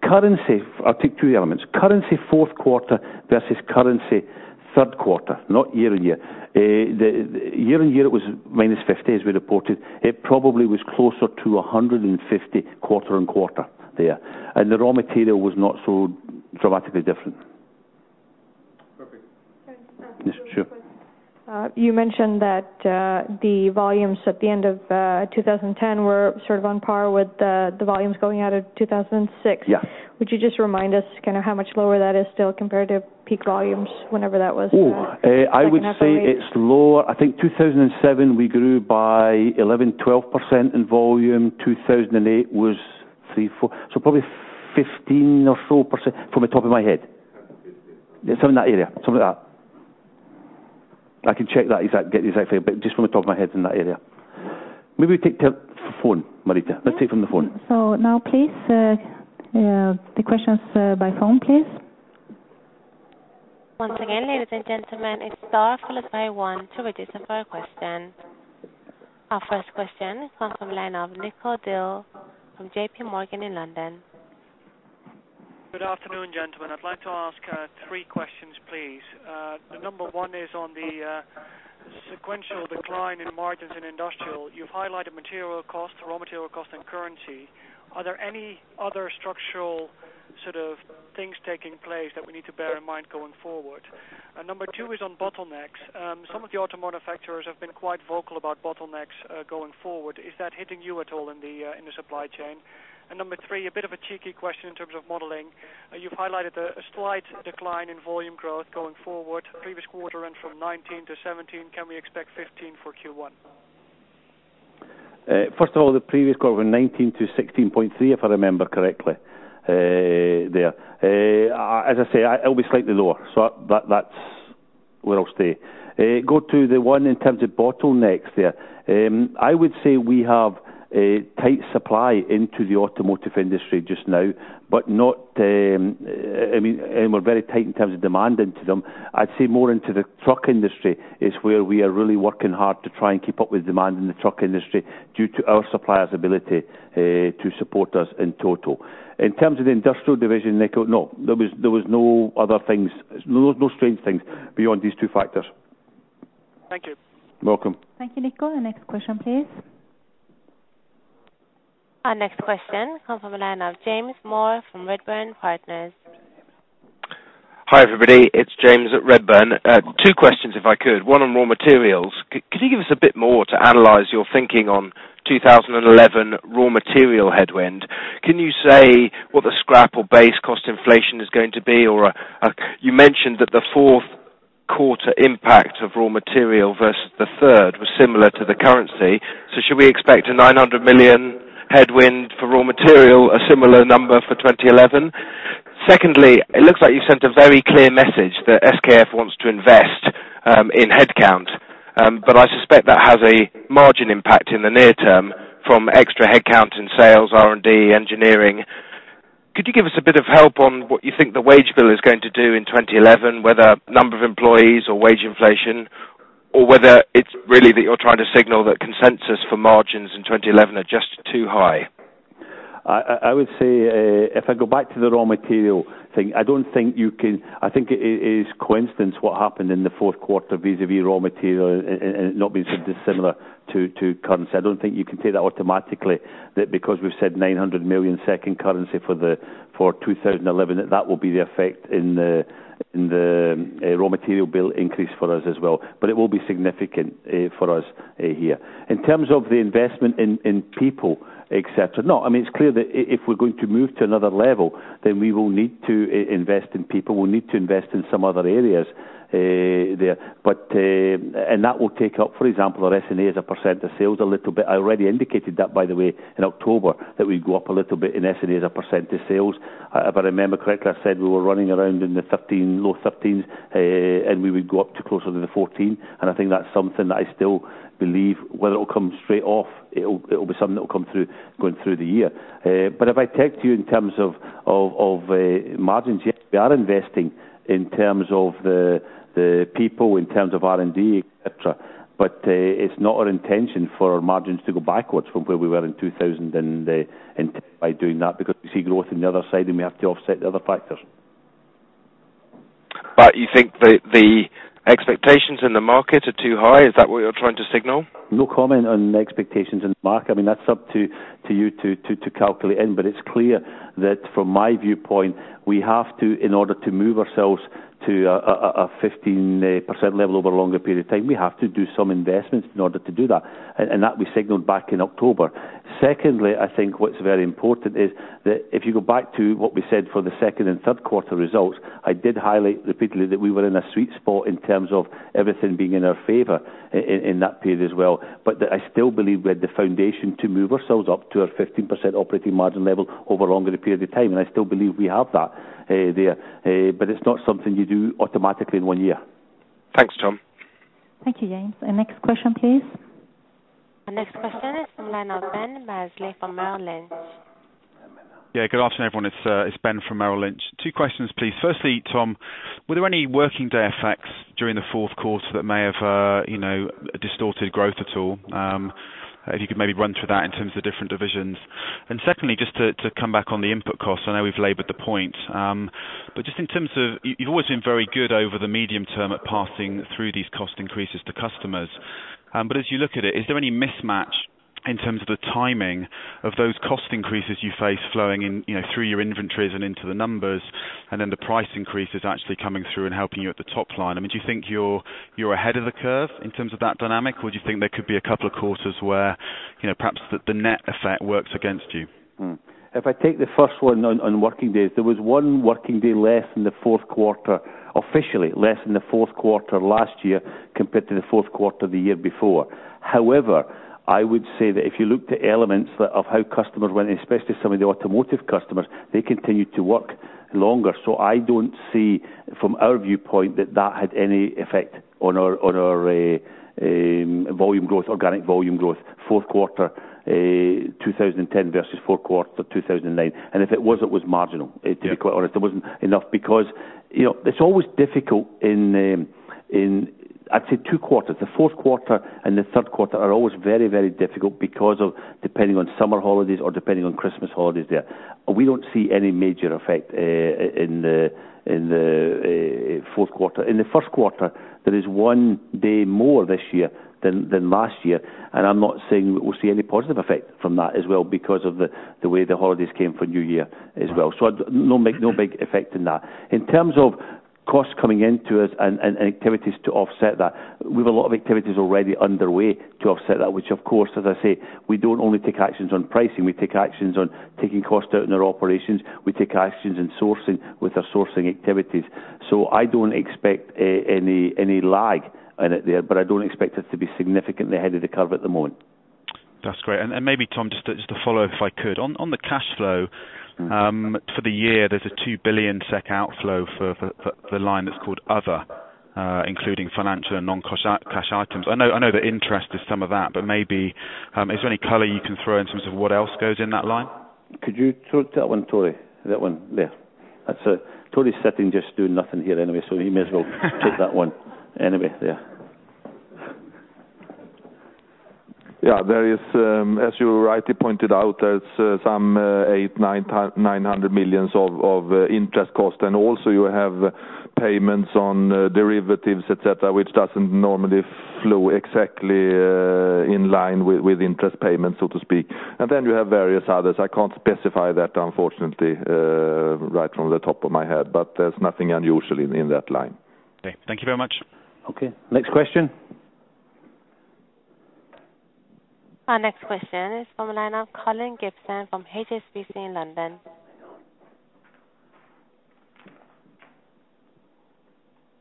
the currency. I'll take two elements, currency fourth quarter versus currency third quarter, not year-on-year. The year-on-year, it was -50 as we reported. It probably was closer to 150 quarter-on-quarter there, and the raw material was not so dramatically different. Okay. Yes, sure. You mentioned that the volumes at the end of 2010 were sort of on par with the volumes going out of 2006. Yeah. Would you just remind us kind of how much lower that is still compared to peak volumes, whenever that was? Second half of 2008. Oh, I would say it's lower. I think 2007, we grew by 11%-12% in volume. 2008 was 3%-4%, so probably 15% or so, from the top of my head. Sounds about right. It's in that area, something like that. I can check that exact, get the exact figure, but just from the top of my head, in that area. Maybe we take the phone, Marita. Let's take from the phone. So now, please, the questions by phone, please. Once again, ladies and gentlemen, it's star followed by 1 to register for a question. Our first question comes from line of Nico Dill from JP Morgan in London. Good afternoon, gentlemen. I'd like to ask three questions, please. The number one is on the sequential decline in margins in industrial. You've highlighted material costs, raw material costs, and currency. Are there any other structural sort of things taking place that we need to bear in mind going forward? And number two is on bottlenecks. Some of the auto manufacturers have been quite vocal about bottlenecks going forward. Is that hitting you at all in the supply chain? And number three, a bit of a cheeky question in terms of modeling. You've highlighted a slight decline in volume growth going forward, previous quarter and from 19 to 17. Can we expect 15 for Q1? First of all, the previous quarter went 19 to 16.3, if I remember correctly. As I say, it'll be slightly lower, so that's where I'll stay. Go to the one in terms of bottlenecks there. I would say we have a tight supply into the automotive industry just now, but not, I mean... We're very tight in terms of demand into them. I'd say more into the truck industry is where we are really working hard to try and keep up with demand in the truck industry, due to our suppliers' ability to support us in total. In terms of the industrial division, Nico, no, there was no other things, no, no strange things beyond these two factors. Thank you. Welcome. Thank you, Nico. The next question, please. Our next question comes from the line of James Moore from Redburn Partners. Hi, everybody. It's James at Redburn. Two questions, if I could. One on raw materials. Could you give us a bit more to analyze your thinking on 2011 raw material headwind? Can you say what the scrap or base cost inflation is going to be? Or, you mentioned that the fourth quarter impact of raw material versus the third was similar to the currency. So should we expect a 900 million headwind for raw material, a similar number for 2011? Secondly, it looks like you sent a very clear message that SKF wants to invest in headcount. But I suspect that has a margin impact in the near term from extra headcount in sales, R&D, engineering. Could you give us a bit of help on what you think the wage bill is going to do in 2011, whether number of employees or wage inflation, or whether it's really that you're trying to signal that consensus for margins in 2011 are just too high? I would say, if I go back to the raw material thing, I don't think you can... I think it is coincidence what happened in the fourth quarter vis-a-vis raw material and not being so dissimilar to currency. I don't think you can take that automatically, that because we've said 900 million for 2011, that that will be the effect in the raw material bill increase for us as well. But it will be significant for us here. In terms of the investment in people, et cetera. No, I mean, it's clear that if we're going to move to another level, then we will need to invest in people, we'll need to invest in some other areas there. But, and that will take up, for example, our SNA as a percent of sales a little bit. I already indicated that, by the way, in October, that we'd go up a little bit in SNA as a % to sales. If I remember correctly, I said we were running around in the 13, low 13s, and we would go up to closer to the 14, and I think that's something that I still believe. Whether it'll come straight off, it'll, it'll be something that will come through going through the year. But if I take to you in terms of of margins, yes, we are investing in terms of the people, in terms of R&D, et cetera, but it's not our intention for our margins to go backwards from where we were in 2000 and by doing that, because we see growth on the other side, and we have to offset the other factors. But you think the expectations in the market are too high? Is that what you're trying to signal? No comment on expectations in the market. I mean, that's up to you to calculate in, but it's clear that from my viewpoint, we have to, in order to move ourselves to a 15% level over a longer period of time, we have to do some investments in order to do that, and that we signaled back in October. Secondly, I think what's very important is that if you go back to what we said for the second and third quarter results, I did highlight repeatedly that we were in a sweet spot in terms of everything being in our favor in that period as well. But that I still believe we had the foundation to move ourselves up to a 15% operating margin level over a longer period of time, and I still believe we have that, there. It's not something you do automatically in one year. Thanks, Tom. Thank you, James. Next question, please. Our next question is from the line of Ben Maslen from Merrill Lynch. Yeah, good afternoon, everyone. It's Ben from Merrill Lynch. Two questions, please. Firstly, Tom, were there any working day effects during the fourth quarter that may have you know, distorted growth at all? If you could maybe run through that in terms of different divisions. And secondly, just to come back on the input costs. I know we've labored the point, but just in terms of... You've always been very good over the medium term at passing through these cost increases to customers. But as you look at it, is there any mismatch in terms of the timing of those cost increases you face flowing in, you know, through your inventories and into the numbers, and then the price increases actually coming through and helping you at the top line? I mean, do you think you're, you're ahead of the curve in terms of that dynamic, or do you think there could be a couple of quarters where, you know, perhaps the, the net effect works against you? If I take the first one on working days, there was one working day less in the fourth quarter, officially less in the fourth quarter last year compared to the fourth quarter the year before. However, I would say that if you looked at elements of how customers went, especially some of the automotive customers, they continued to work longer. So I don't see from our viewpoint that that had any effect on our volume growth, organic volume growth, fourth quarter 2010 versus fourth quarter 2009. And if it was, it was marginal. Yeah. To be quite honest, it wasn't enough because, you know, it's always difficult in... I'd say two quarters. The fourth quarter and the third quarter are always very, very difficult because of depending on summer holidays or depending on Christmas holidays there. We don't see any major effect in the fourth quarter. In the first quarter, there is one day more this year than last year, and I'm not saying we'll see any positive effect from that as well because of the way the holidays came for New Year as well. So no big, no big effect in that. In terms of costs coming into us and activities to offset that, we have a lot of activities already underway to offset that, which of course, as I say, we don't only take actions on pricing, we take actions on taking costs out in our operations. We take actions in sourcing with our sourcing activities. So I don't expect any lag in it there, but I don't expect us to be significantly ahead of the curve at the moment. That's great. And maybe, Tom, just to follow if I could. On the cash flow for the year, there's a 2 billion SEK outflow for the line that's called other, including financial and non-cash cash items. I know that interest is some of that, but maybe is there any color you can throw in terms of what else goes in that line? Could you take that one, Tore? That one there. That's, Tore's sitting just doing nothing here anyway, so he may as well take that one anyway. Yeah. Yeah, there is, as you rightly pointed out, there's some 899 million of interest cost, and also you have payments on derivatives, et cetera, which doesn't normally flow exactly in line with interest payments, so to speak. And then you have various others. I can't specify that, unfortunately, right from the top of my head, but there's nothing unusual in that line. Okay. Thank you very much. Okay. Next question. Our next question is from the line of Colin Gibson from HSBC in London.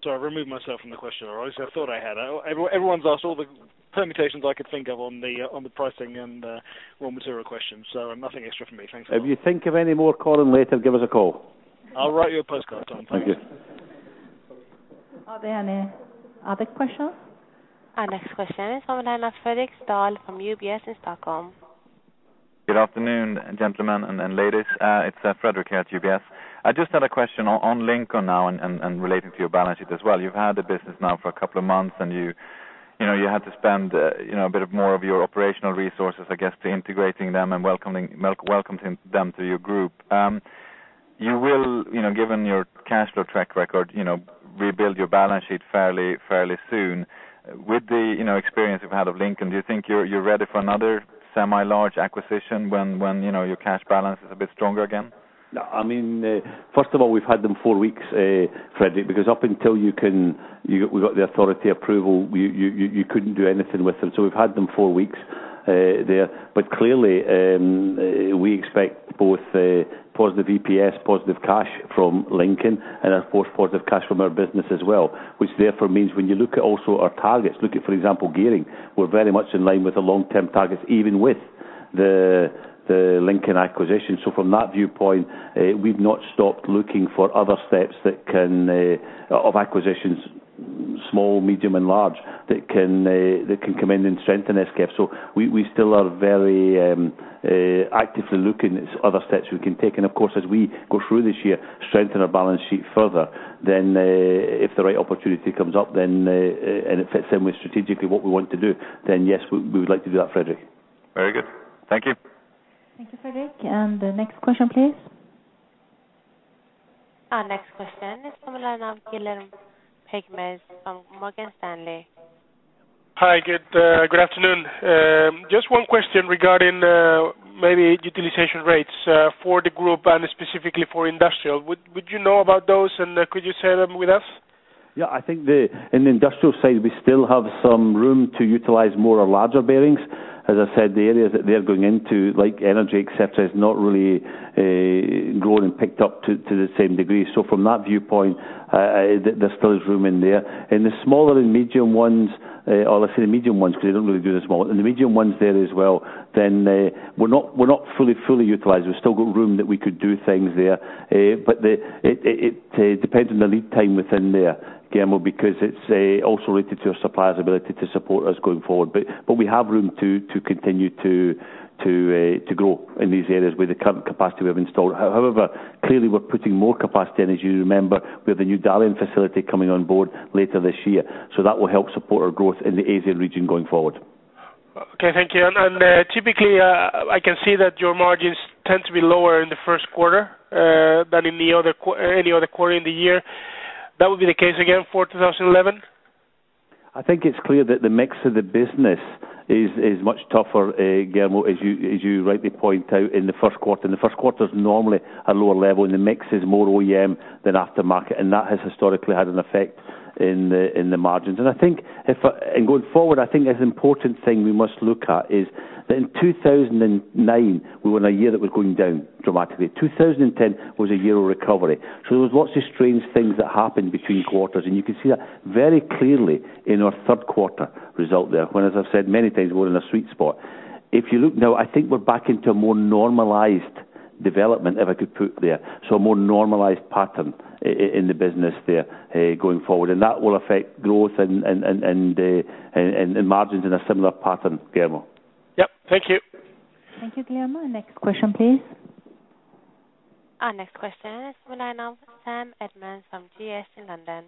Sorry, I've removed myself from the question. Or at least I thought I had. Everyone's asked all the permutations I could think of on the pricing and raw material questions, so nothing extra from me. Thanks a lot. If you think of any more, Colin, later, give us a call. I'll write you a postcard, Tom. Thank you. Thank you. Are there any other questions? Our next question is from the line of Fredrik Stahl from UBS in Stockholm. Good afternoon, gentlemen and ladies. It's Fredrik here at UBS. I just had a question on Lincoln now and relating to your balance sheet as well. You've had the business now for a couple of months, and you know, you had to spend you know, a bit more of your operational resources, I guess, to integrating them and welcoming them to your group. You will, you know, given your cash flow track record, you know, rebuild your balance sheet fairly soon. With the you know, experience you've had of Lincoln, do you think you're ready for another semi-large acquisition when you know, your cash balance is a bit stronger again? I mean, first of all, we've had them four weeks, Frederick, because up until we got the authority approval, you couldn't do anything with them. So we've had them four weeks there. But clearly, we expect both positive EPS, positive cash from Lincoln and, of course, positive cash from our business as well, which therefore means when you look at also our targets, look at, for example, Gearing, we're very much in line with the long-term targets, even with the Lincoln acquisition. So from that viewpoint, we've not stopped looking for other steps that can of acquisitions, small, medium, and large, that can come in and strengthen SKF. So we still are very actively looking at other steps we can take. Of course, as we go through this year, strengthen our balance sheet further, then, if the right opportunity comes up, then, and it fits in with strategically what we want to do, then, yes, we, we would like to do that, Fredric. Very good. Thank you. Thank you, Frederick. The next question, please. Our next question is from the line of Guillermo Peigneux from Morgan Stanley. Hi, good afternoon. Just one question regarding maybe utilization rates for the group and specifically for industrial. Would you know about those, and could you share them with us?... Yeah, I think in the industrial side, we still have some room to utilize more or larger bearings. As I said, the areas that they are going into, like energy, et cetera, is not really grown and picked up to the same degree. So from that viewpoint, there still is room in there. In the smaller and medium ones, or let's say the medium ones, because they don't really do the small ones, in the medium ones there as well, then we're not, we're not fully, fully utilized. We've still got room that we could do things there. But it depends on the lead time within there, Guillermo, because it's also related to our supplier's ability to support us going forward. But we have room to continue to grow in these areas with the current capacity we have installed. However, clearly, we're putting more capacity, and as you remember, we have a new Dalian facility coming on board later this year. So that will help support our growth in the Asian region going forward. Okay, thank you. Typically, I can see that your margins tend to be lower in the first quarter than in any other quarter in the year. That would be the case again for 2011? I think it's clear that the mix of the business is much tougher, Guillermo, as you rightly point out in the first quarter. The first quarter is normally a lower level, and the mix is more OEM than aftermarket, and that has historically had an effect in the margins. I think, and going forward, I think an important thing we must look at is that in 2009, we were in a year that was going down dramatically. 2010 was a year of recovery. So there was lots of strange things that happened between quarters, and you can see that very clearly in our third quarter result there, when, as I've said many times, we're in a sweet spot. If you look now, I think we're back into a more normalized development, if I could put there. So a more normalized pattern in the business there, going forward, and that will affect growth and margins in a similar pattern, Guillermo. Yep, thank you. Thank you, Guillermo. Next question, please. Our next question is from the line of Sam Edmonds from GS in London.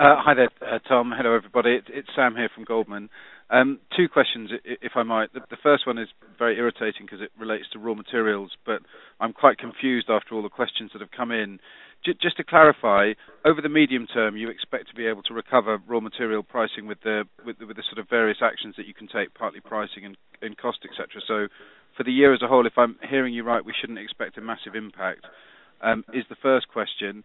Hi there, Tom. Hello, everybody. It's Sam here from Goldman. Two questions, if I might. The first one is very irritating because it relates to raw materials, but I'm quite confused after all the questions that have come in. Just to clarify, over the medium term, you expect to be able to recover raw material pricing with the sort of various actions that you can take, partly pricing and cost, et cetera. So for the year as a whole, if I'm hearing you right, we shouldn't expect a massive impact, is the first question.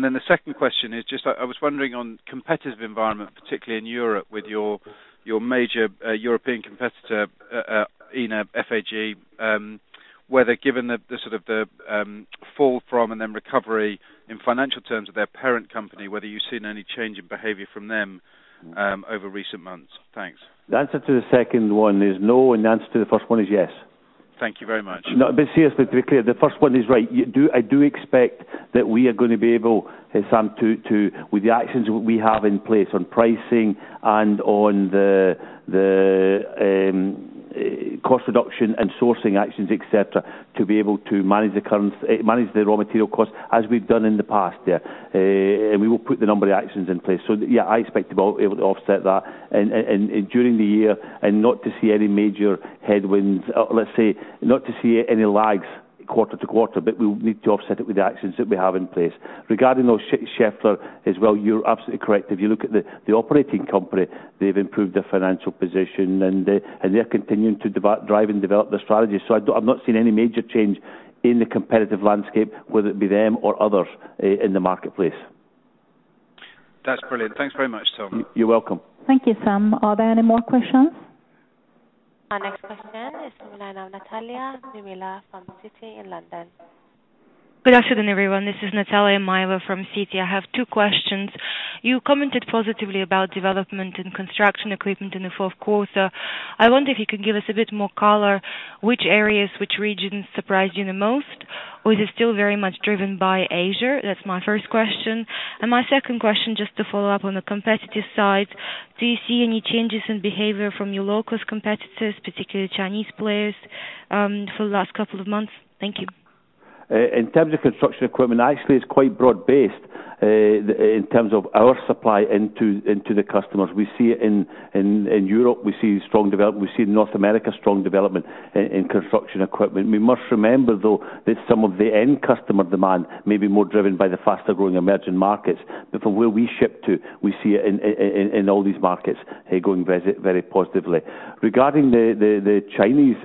Then the second question is just I was wondering on competitive environment, particularly in Europe, with your major European competitor in FAG, whether given the sort of fall from and then recovery in financial terms of their parent company, whether you've seen any change in behavior from them over recent months? Thanks. The answer to the second one is no, and the answer to the first one is yes. Thank you very much. No, but seriously, to be clear, the first one is right. I do expect that we are gonna be able, Sam, to with the actions we have in place on pricing and on the cost reduction and sourcing actions, et cetera, to be able to manage the current raw material costs, as we've done in the past, yeah. And we will put the number of actions in place. So, yeah, I expect to be able to offset that, and during the year, and not to see any major headwinds, let's say, not to see any lags quarter to quarter, but we'll need to offset it with the actions that we have in place. Regarding those, Schaeffler as well, you're absolutely correct. If you look at the operating company, they've improved their financial position, and they're continuing to drive and develop their strategy. So I've not seen any major change in the competitive landscape, whether it be them or others in the marketplace. That's brilliant. Thanks very much, Tom. You're welcome. Thank you, Sam. Are there any more questions? Our next question is the line of Natalia Mila from Citi in London. Good afternoon, everyone. This is Natalia Mila from Citi. I have two questions. You commented positively about development and construction equipment in the fourth quarter. I wonder if you could give us a bit more color, which areas, which regions surprised you the most? Or is it still very much driven by Asia? That's my first question. My second question, just to follow up on the competitive side, do you see any changes in behavior from your lowest competitors, particularly Chinese players, for the last couple of months? Thank you. In terms of construction equipment, actually, it's quite broad-based. In terms of our supply into the customers. We see it in Europe, we see strong development. We see in North America, strong development in construction equipment. We must remember, though, that some of the end customer demand may be more driven by the faster-growing emerging markets, but from where we ship to, we see it in all these markets, going very, very positively. Regarding the Chinese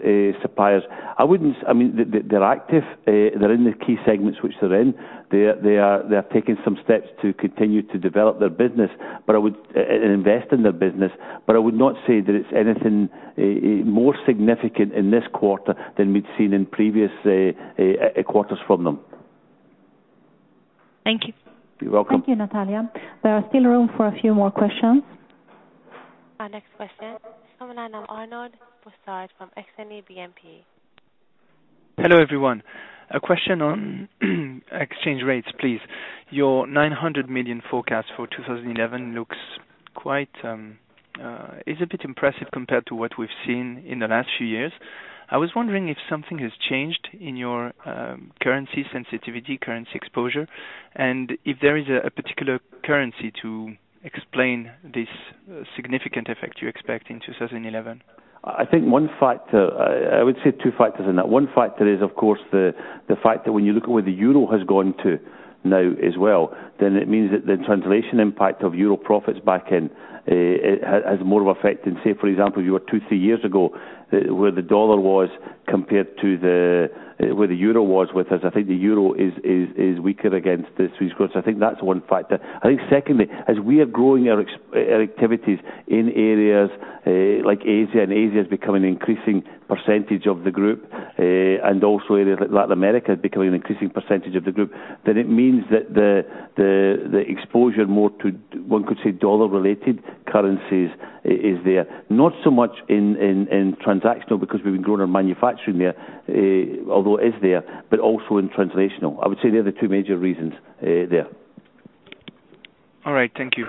suppliers, I wouldn't... I mean, they're active. They're in the key segments which they're in. They are taking some steps to continue to develop their business, but I would and invest in their business, but I would not say that it's anything more significant in this quarter than we'd seen in previous quarters from them. Thank you. You're welcome. Thank you, Natalia. There is still room for a few more questions. Our next question, on the line Arnaud Boussard from Exane BNP. Hello, everyone. A question on exchange rates, please. Your 900 million forecast for 2011 looks quite is a bit impressive compared to what we've seen in the last few years. I was wondering if something has changed in your currency sensitivity, currency exposure, and if there is a particular currency to explain this significant effect you expect in 2011? I think one factor, I would say two factors in that. One factor is, of course, the fact that when you look at where the euro has gone to now as well, then it means that the translation impact of euro profits back in, it has more of effect than, say, for example, you were two, three years ago, where the dollar was compared to the where the euro was with us. I think the euro is weaker against the Swiss francs. I think that's one factor. I think secondly, as we are growing our activities in areas like Asia, and Asia is becoming an increasing percentage of the group, and also areas like Latin America is becoming an increasing percentage of the group, then it means that the exposure more to, one could say, dollar-related currencies is there. Not so much in transactional, because we've been growing our manufacturing there, although it is there, but also in translational. I would say they are the two major reasons, there. All right, thank you.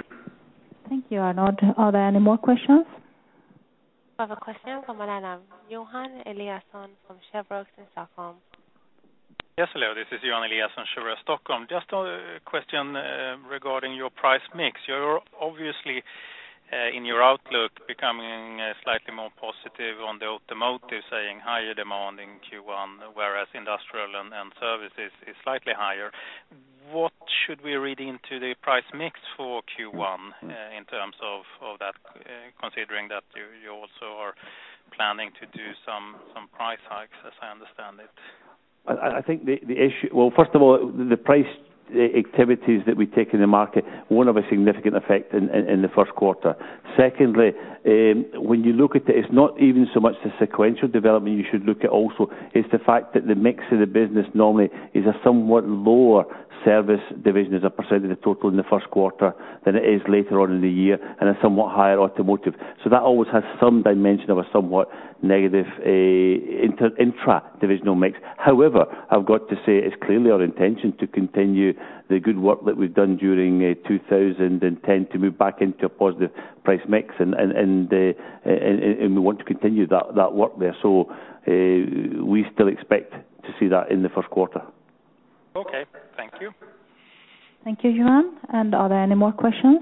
Thank you, Arnaud. Are there any more questions? We have a question from Johan Eliasson from SEB in Stockholm. Yes, hello, this is Johan Eliasson, SEB Stockholm. Just a question regarding your price mix. You're obviously in your outlook becoming slightly more positive on the automotive, saying higher demand in Q1, whereas industrial and services is slightly higher. What should we read into the price mix for Q1 in terms of that, considering that you also are planning to do some price hikes, as I understand it? I think the issue. Well, first of all, the price activities that we take in the market won't have a significant effect in the first quarter. Secondly, when you look at it, it's not even so much the sequential development you should look at also, it's the fact that the mix of the business normally is a somewhat lower service division as a percentage of total in the first quarter than it is later on in the year, and a somewhat higher automotive. So that always has some dimension of a somewhat negative inter-intradivisional mix. However, I've got to say, it's clearly our intention to continue the good work that we've done during 2010, to move back into a positive price mix, and we want to continue that work there. So, we still expect to see that in the first quarter. Okay. Thank you. Thank you, Johan. Are there any more questions?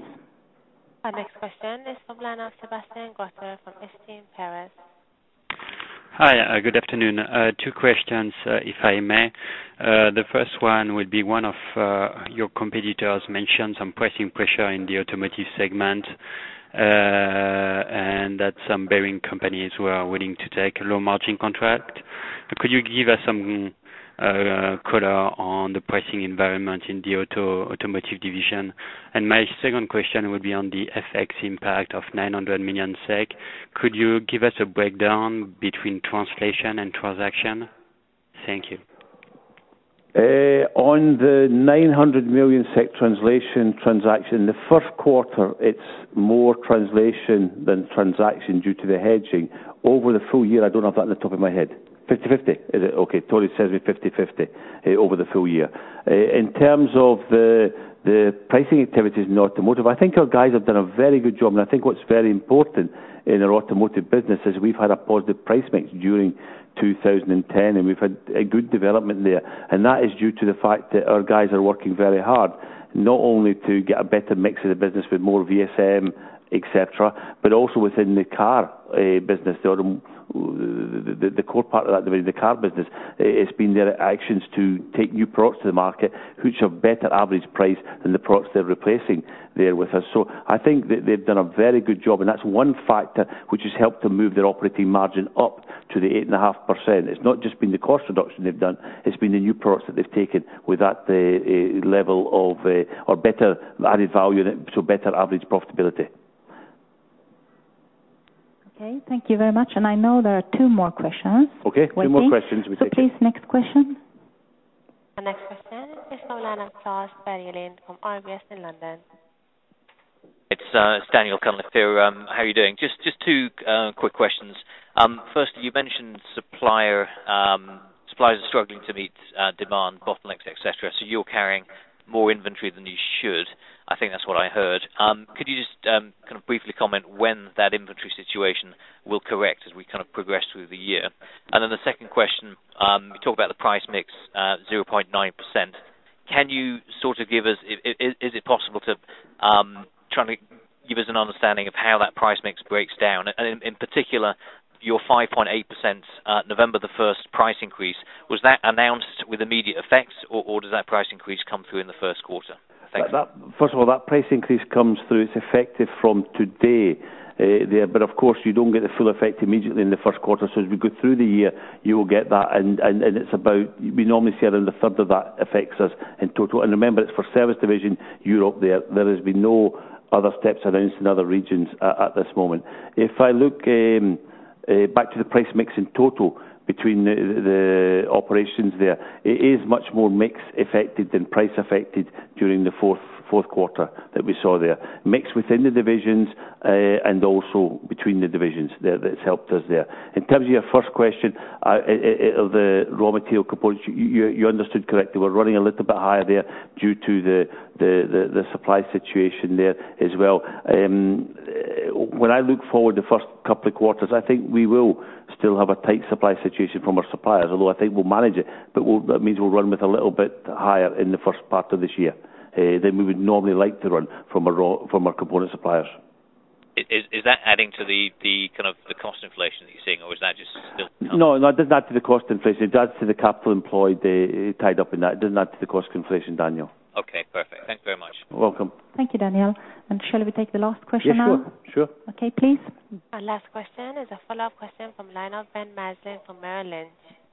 Our next question is from Sebastien Gruter from STL, Paris. Hi, good afternoon. Two questions, if I may. The first one would be, one of your competitors mentioned some pricing pressure in the automotive segment, and that some bearing companies were willing to take a low margin contract. Could you give us some color on the pricing environment in the automotive division? And my second question would be on the FX impact of 900 million SEK. Could you give us a breakdown between translation and transaction? Thank you. On the 900 million SEK translation, transaction, the first quarter, it's more translation than transaction due to the hedging. Over the full year, I don't have that at the top of my head. 50/50, is it? Okay, Tony says 50/50 over the full year. In terms of the pricing activities in automotive, I think our guys have done a very good job, and I think what's very important in our automotive business is we've had a positive price mix during 2010, and we've had a good development there. And that is due to the fact that our guys are working very hard, not only to get a better mix of the business with more VSM, et cetera, but also within the car business. The auto... The core part of that, the car business, it's been their actions to take new products to the market, which have better average price than the products they're replacing there with us. So I think they've done a very good job, and that's one factor which has helped to move their operating margin up to the 8.5%. It's not just been the cost reduction they've done, it's been the new products that they've taken with that, level of, or better added value, so better average profitability. Okay, thank you very much. I know there are two more questions. Okay, two more questions. Please, next question. The next question is from Daniel Clark from RBS in London. It's Daniel coming up here. How are you doing? Just two quick questions. First, you mentioned suppliers are struggling to meet demand, bottlenecks, et cetera, so you're carrying more inventory than you should. I think that's what I heard. Could you just kind of briefly comment when that inventory situation will correct as we kind of progress through the year? And then the second question, you talked about the price mix, 0.9%. Can you sort of give us... is it possible to try and give us an understanding of how that price mix breaks down, and in particular, your 5.8%, November the first price increase, was that announced with immediate effects, or does that price increase come through in the first quarter? Thank you. That, first of all, that price increase comes through, it's effective from today, there. But of course, you don't get the full effect immediately in the first quarter. So as we go through the year, you will get that, and it's about... We normally see it in the third of that affects us in total. And remember, it's for service division Europe there. There has been no other steps announced in other regions at this moment. If I look back to the price mix in total between the operations there, it is much more mix affected than price affected during the fourth quarter that we saw there. Mix within the divisions and also between the divisions there, that's helped us there. In terms of your first question, the raw material components, you understood correctly. We're running a little bit higher there due to the supply situation there as well. When I look forward the first couple of quarters, I think we will still have a tight supply situation from our suppliers, although I think we'll manage it, but that means we'll run with a little bit higher in the first part of this year than we would normally like to run from our raw component suppliers. Is that adding to the kind of cost inflation that you're seeing, or is that just still? No, no, it doesn't add to the cost inflation. It adds to the capital employed, tied up in that. It doesn't add to the cost inflation, Daniel. Okay, perfect. Thank you very much. You're welcome. Thank you, Daniel. Shall we take the last question now? Yeah, sure. Sure. Okay, please. Our last question is a follow-up question from Ben Maslen from Merrill Lynch. Yeah, hi, sorry,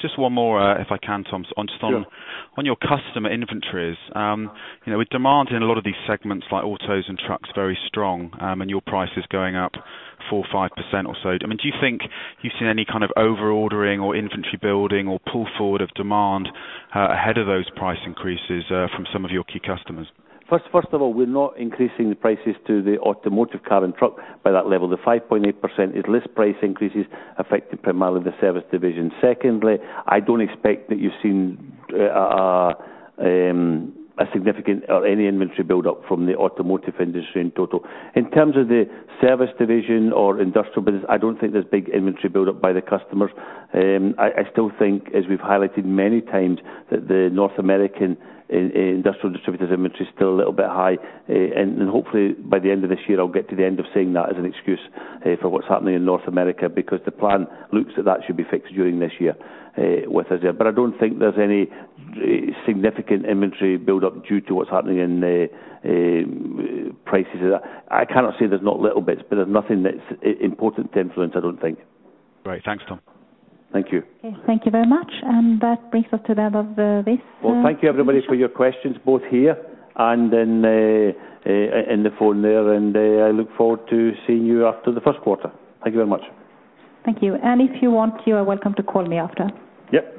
just one more, if I can, Tom, on, just on- Sure. On your customer inventories. You know, with demand in a lot of these segments like autos and trucks very strong, and your prices going up 4-5% or so, I mean, do you think you've seen any kind of over ordering or inventory building or pull forward of demand, ahead of those price increases, from some of your key customers? First of all, we're not increasing the prices to the automotive, car and truck by that level. The 5.8% is list price increases affected primarily the service division. Secondly, I don't expect that you've seen a significant or any inventory buildup from the automotive industry in total. In terms of the service division or industrial business, I don't think there's big inventory buildup by the customers. I still think, as we've highlighted many times, that the North American industrial distributor's inventory is still a little bit high. And hopefully by the end of this year, I'll get to the end of saying that as an excuse for what's happening in North America, because the plan looks that that should be fixed during this year with us. But I don't think there's any significant inventory buildup due to what's happening in the prices. I cannot say there's not little bits, but there's nothing that's important to influence, I don't think. Great. Thanks, Tom. Thank you. Okay. Thank you very much. That brings us to the end of this. Well, thank you, everybody, for your questions, both here and in the phone there, and I look forward to seeing you after the first quarter. Thank you very much. Thank you. If you want, you are welcome to call me after. Yep.